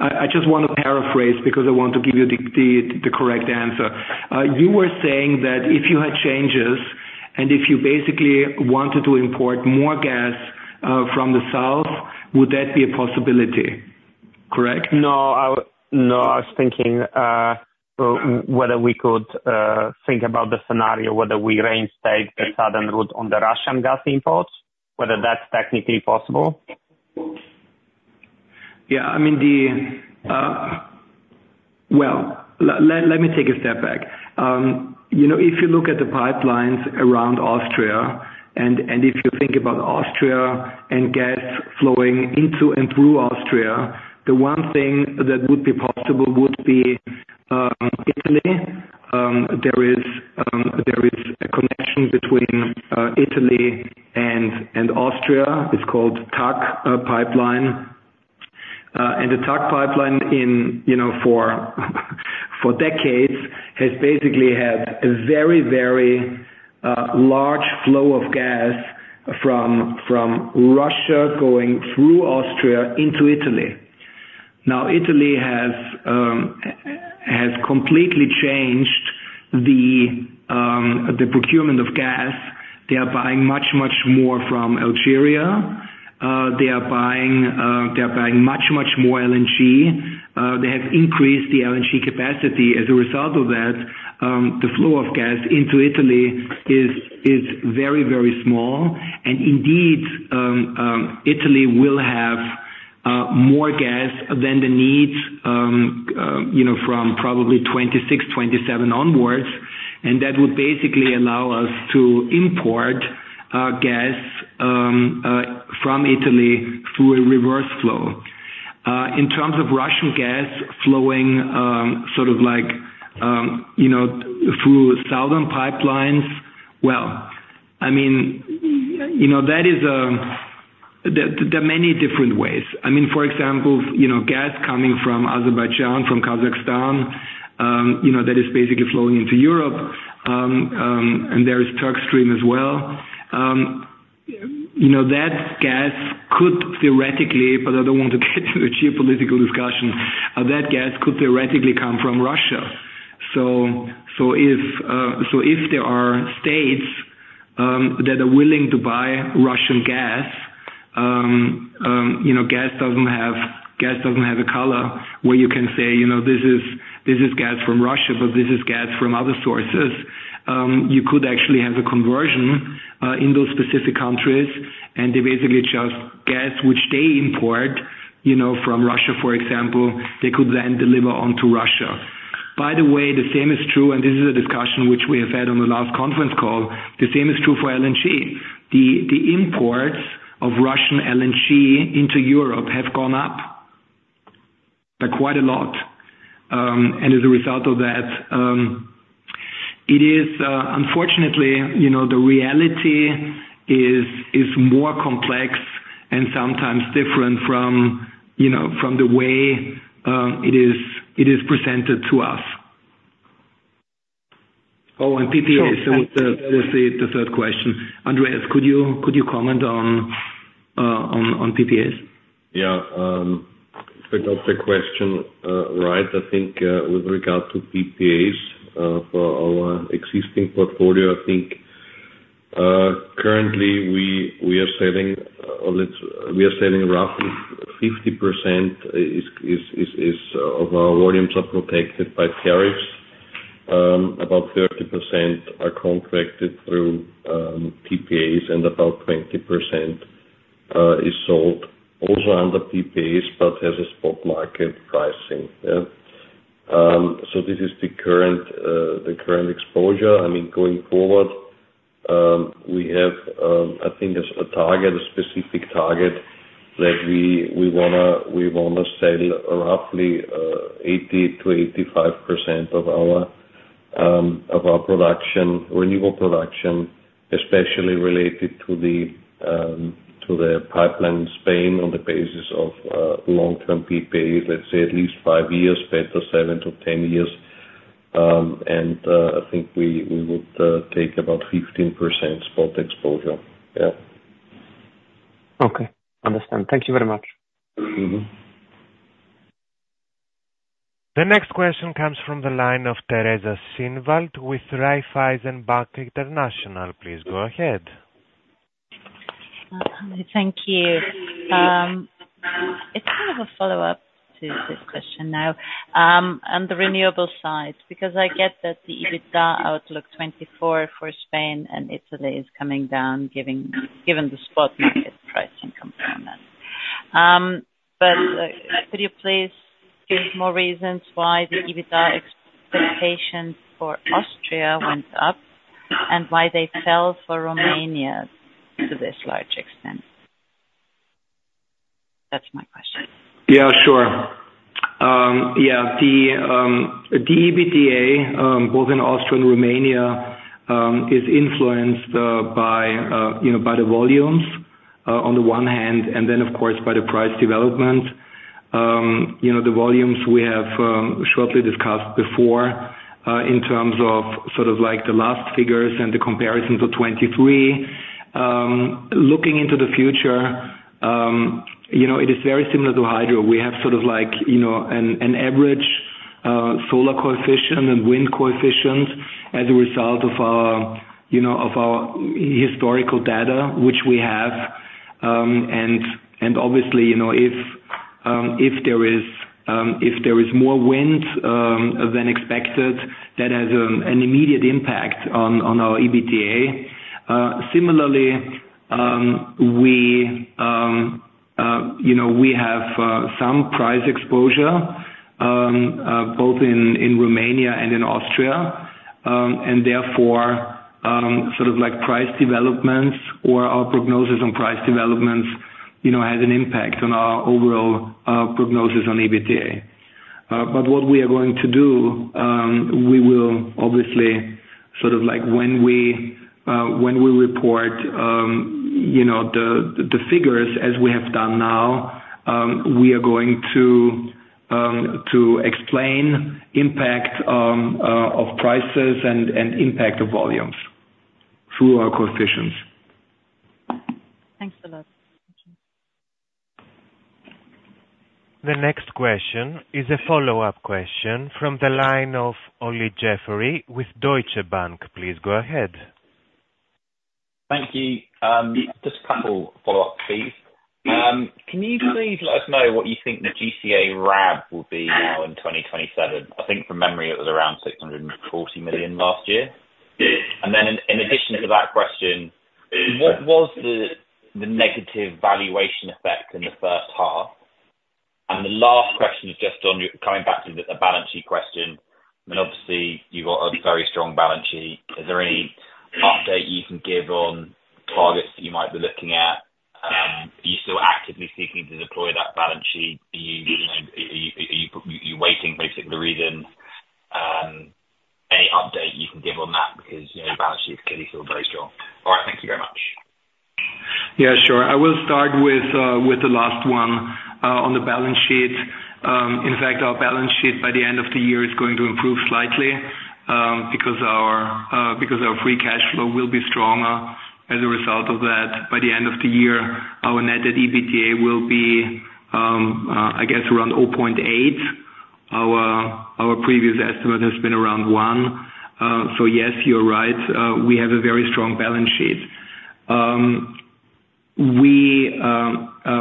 I just want to paraphrase because I want to give you the correct answer. You were saying that if you had changes and if you basically wanted to import more gas from the south, would that be a possibility? Correct? No. No. I was thinking whether we could think about the scenario whether we reinstate the southern route on the Russian gas imports, whether that's technically possible. Yeah. I mean, well, let me take a step back. If you look at the pipelines around Austria and if you think about Austria and gas flowing into and through Austria, the one thing that would be possible would be Italy. There is a connection between Italy and Austria. It's called TAG Pipeline. And the TAG Pipeline for decades has basically had a very, very large flow of gas from Russia going through Austria into Italy. Now, Italy has completely changed the procurement of gas. They are buying much, much more from Algeria. They are buying much, much more LNG. They have increased the LNG capacity. As a result of that, the flow of gas into Italy is very, very small. And indeed, Italy will have more gas than the need from probably 2026, 2027 onwards. And that would basically allow us to import gas from Italy through a reverse flow. In terms of Russian gas flowing sort of through southern pipelines, well, I mean, that is a, there are many different ways. I mean, for example, gas coming from Azerbaijan, from Kazakhstan, that is basically flowing into Europe. And there is TurkStream as well. That gas could theoretically, but I don't want to get into the geopolitical discussion, that gas could theoretically come from Russia. So if there are states that are willing to buy Russian gas. Gas doesn't have a color where you can say, "This is gas from Russia, but this is gas from other sources." You could actually have a conversion in those specific countries. And they basically just, gas which they import from Russia, for example, they could then deliver onto Russia. By the way, the same is true, and this is a discussion which we have had on the last conference call, the same is true for LNG. The imports of Russian LNG into Europe have gone up by quite a lot. And as a result of that, it is unfortunately, the reality is more complex and sometimes different from the way it is presented to us. Oh, and PPAs. That was the third question. Andreas, could you comment on PPAs? Yeah. I got the question right.I think with regard to PPAs for our existing portfolio, I think currently we are selling—we are selling roughly 50% of our volumes are protected by tariffs. About 30% are contracted through PPAs, and about 20% is sold also under PPAs but has a spot market pricing. So this is the current exposure. I mean, going forward, we have, I think, a target, a specific target that we want to sell roughly 80%-85% of our renewable production, especially related to the pipeline in Spain on the basis of long-term PPAs, let's say at least 5 years, better 7-10 years. And I think we would take about 15% spot exposure. Yeah. Okay. Understand. Thank you very much. The next question comes from the line of Teresa Schinwald with Raiffeisen Bank International. Please go ahead. Thank you. It's kind of a follow-up to this question now on the renewable side because I get that the EBITDA outlook 2024 for Spain and Italy is coming down given the spot market pricing component. But could you please give more reasons why the EBITDA expectations for Austria went up and why they fell for Romania to this large extent? That's my question. Yeah. Sure. Yeah. The EBITDA, both in Austria and Romania, is influenced by the volumes on the one hand and then, of course, by the price development. The volumes we have shortly discussed before in terms of sort of the last figures and the comparisons of 2023. Looking into the future, it is very similar to hydro. We have sort of an average solar coefficient and wind coefficient as a result of our historical data which we have. Obviously, if there is more wind than expected, that has an immediate impact on our EBITDA. Similarly, we have some price exposure both in Romania and in Austria. And therefore, sort of price developments or our prognosis on price developments has an impact on our overall prognosis on EBITDA. But what we are going to do, we will obviously sort of when we report the figures as we have done now, we are going to explain impact of prices and impact of volumes through our coefficients. Thanks for that. The next question is a follow-up question from the line of Olly Jeffery with Deutsche Bank. Please go ahead. Thank you. Just a couple of follow-ups, please. Can you please let us know what you think the GCA RAB will be now in 2027? I think from memory, it was around 640 million last year. Then in addition to that question, what was the negative valuation effect in the first half? The last question is just coming back to the balance sheet question. Obviously, you've got a very strong balance sheet. Is there any update you can give on targets that you might be looking at? Are you still actively seeking to deploy that balance sheet? Are you waiting basically to reason any update you can give on that because your balance sheet is clearly still very strong? All right. Thank you very much. Yeah. Sure. I will start with the last one on the balance sheet. In fact, our balance sheet by the end of the year is going to improve slightly because our free cash flow will be stronger as a result of that. By the end of the year, our net debt to EBITDA will be, I guess, around 0.8. Our previous estimate has been around 1. So yes, you're right. We have a very strong balance sheet.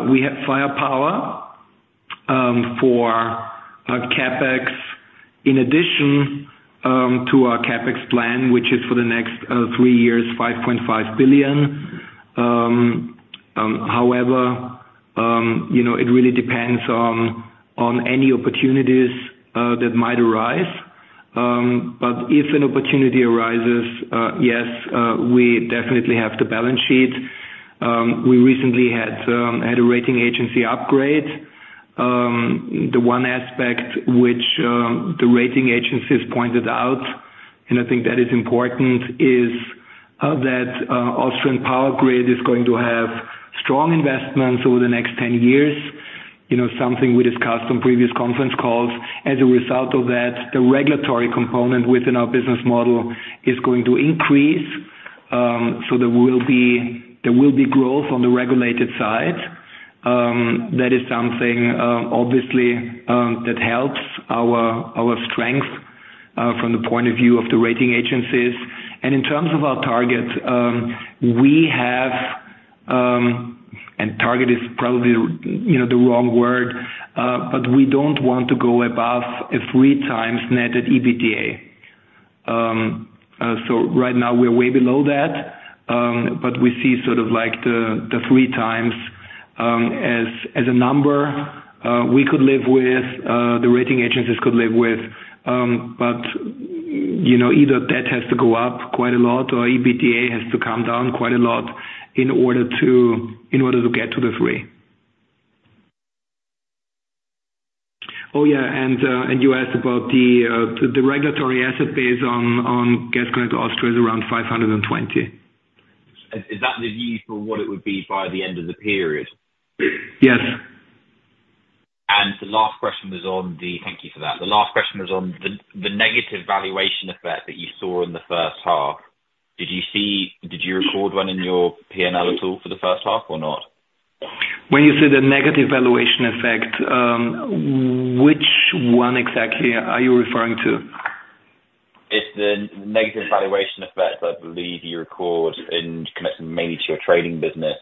We have firepower for CapEx in addition to our CapEx plan, which is for the next three years, 5.5 billion. However, it really depends on any opportunities that might arise. But if an opportunity arises, yes, we definitely have the balance sheet. We recently had a rating agency upgrade. The one aspect which the rating agencies pointed out, and I think that is important, is that Austrian Power Grid is going to have strong investments over the next 10 years, something we discussed on previous conference calls. As a result of that, the regulatory component within our business model is going to increase. So there will be growth on the regulated side. That is something, obviously, that helps our strength from the point of view of the rating agencies. In terms of our target, we have—and target is probably the wrong word—but we don't want to go above a 3x net deb EBITDA. So right now, we're way below that. But we see sort of the 3x as a number we could live with, the rating agencies could live with. But either that has to go up quite a lot or EBITDA has to come down quite a lot in order to get to the 3x. Oh, yeah. And you asked about the regulatory asset base on Gas Connect Austria is around 520. Is that the view for what it would be by the end of the period? Yes. And the last question was on the—thank you for that. The last question was on the negative valuation effect that you saw in the first half. Did you record one in your P&L at all for the first half or not? When you say the negative valuation effect, which one exactly are you referring to? It's the negative valuation effect I believe you record in connection mainly to your trading business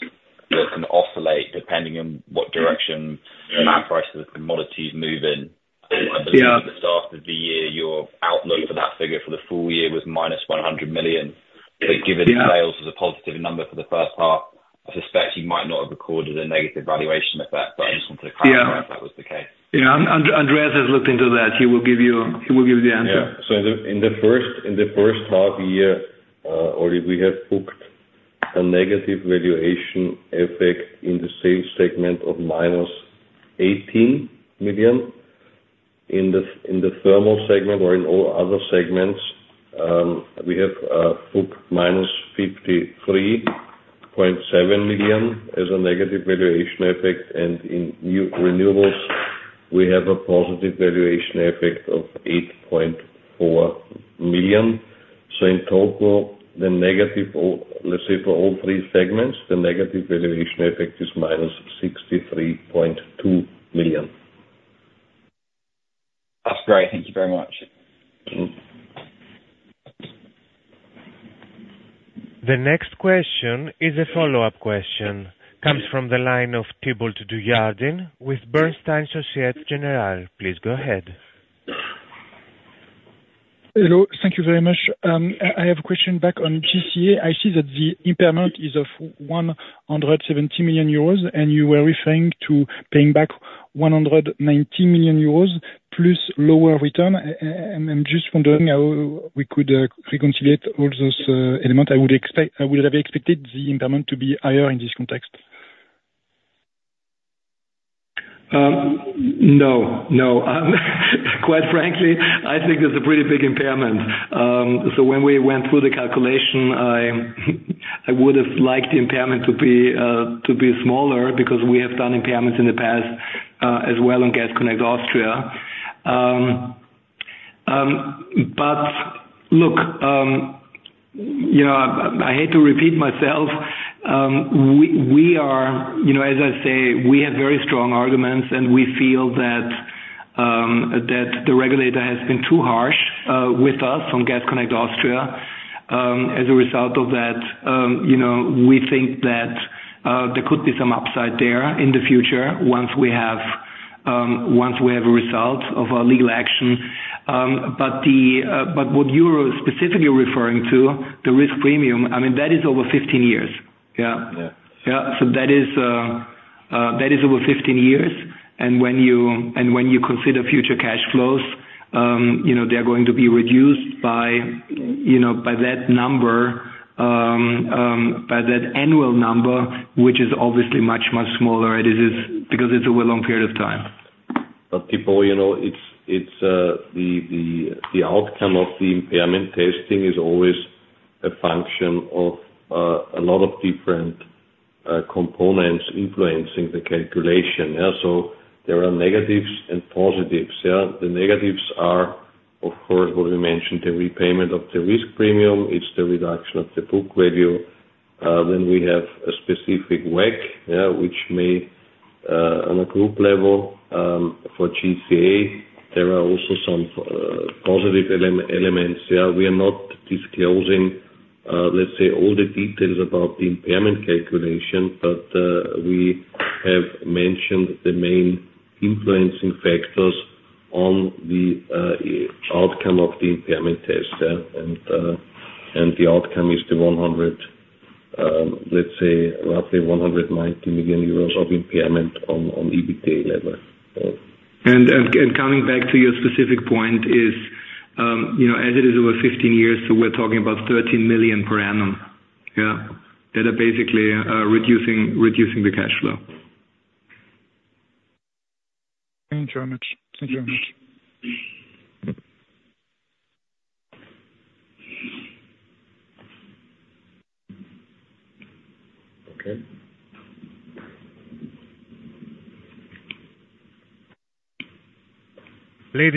that can oscillate depending on what direction the price of the commodities move in. I believe at the start of the year, your outlook for that figure for the full year was -100 million. But given sales was a positive number for the first half, I suspect you might not have recorded a negative valuation effect. But I just wanted to clarify if that was the case. Yeah. Andreas has looked into that. He will give you the answer. Yeah. So in the first half year, Olly, we have booked a negative valuation effect in the sales segment of -18 million. In the thermal segment or in all other segments, we have booked minus 53.7 million as a negative valuation effect. In renewables, we have a positive valuation effect of 8.4 million. In total, let's say for all three segments, the negative valuation effect is minus 63.2 million. That's great. Thank you very much. The next question is a follow-up question. Comes from the line of Thibault Dujardin with Bernstein Société Générale. Please go ahead. Hello. Thank you very much. I have a question back on GCA. I see that the impairment is of 170 million euros, and you were referring to paying back 190 million euros plus lower return. I'm just wondering how we could reconcile all those elements. I would have expected the impairment to be higher in this context. No. No. Quite frankly, I think there's a pretty big impairment. So when we went through the calculation, I would have liked the impairment to be smaller because we have done impairments in the past as well on Gas Connect Austria. But look, I hate to repeat myself. As I say, we have very strong arguments, and we feel that the regulator has been too harsh with us on Gas Connect Austria. As a result of that, we think that there could be some upside there in the future once we have a result of our legal action. But what you're specifically referring to, the risk premium, I mean, that is over 15 years. Yeah. Yeah. So that is over 15 years. And when you consider future cash flows, they're going to be reduced by that number, by that annual number, which is obviously much, much smaller because it's over a long period of time. But people, it's the outcome of the impairment testing is always a function of a lot of different components influencing the calculation. So there are negatives and positives. The negatives are, of course, what we mentioned, the repayment of the risk premium. It's the reduction of the book value. Then we have a specific WACC, which may on a group level for GCA, there are also some positive elements. We are not disclosing, let's say, all the details about the impairment calculation, but we have mentioned the main influencing factors on the outcome of the impairment test. And the outcome is the, let's say, roughly 190 million euros of impairment on EBITDA level. And coming back to your specific point is, as it is over 15 years, so we're talking about 13 million per annum. Yeah. That are basically reducing the cash flow. Thank you very much. Thank you very much. Okay. Ladies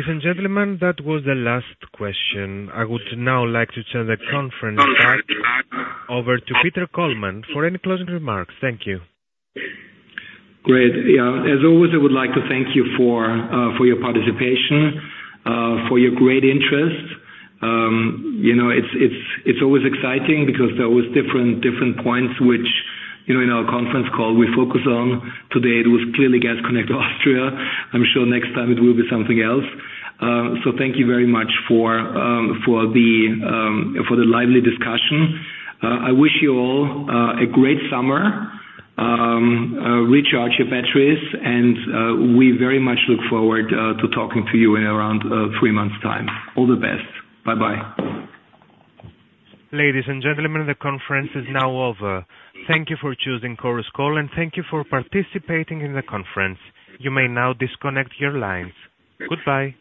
and gentlemen, that was the last question. I would now like to turn the conference back over to Peter Kollmann for any closing remarks. Thank you. Great. Yeah. As always, I would like to thank you for your participation, for your great interest. It's always exciting because there are always different points which in our conference call we focus on. Today, it was clearly Gas Connect Austria. I'm sure next time it will be something else. So thank you very much for the lively discussion.I wish you all a great summer. Recharge your batteries. And we very much look forward to talking to you in around three months' time. All the best. Bye-bye. Ladies and gentlemen, the conference is now over. Thank you for choosing Chorus Call, and thank you for participating in the conference. You may now disconnect your lines. Goodbye.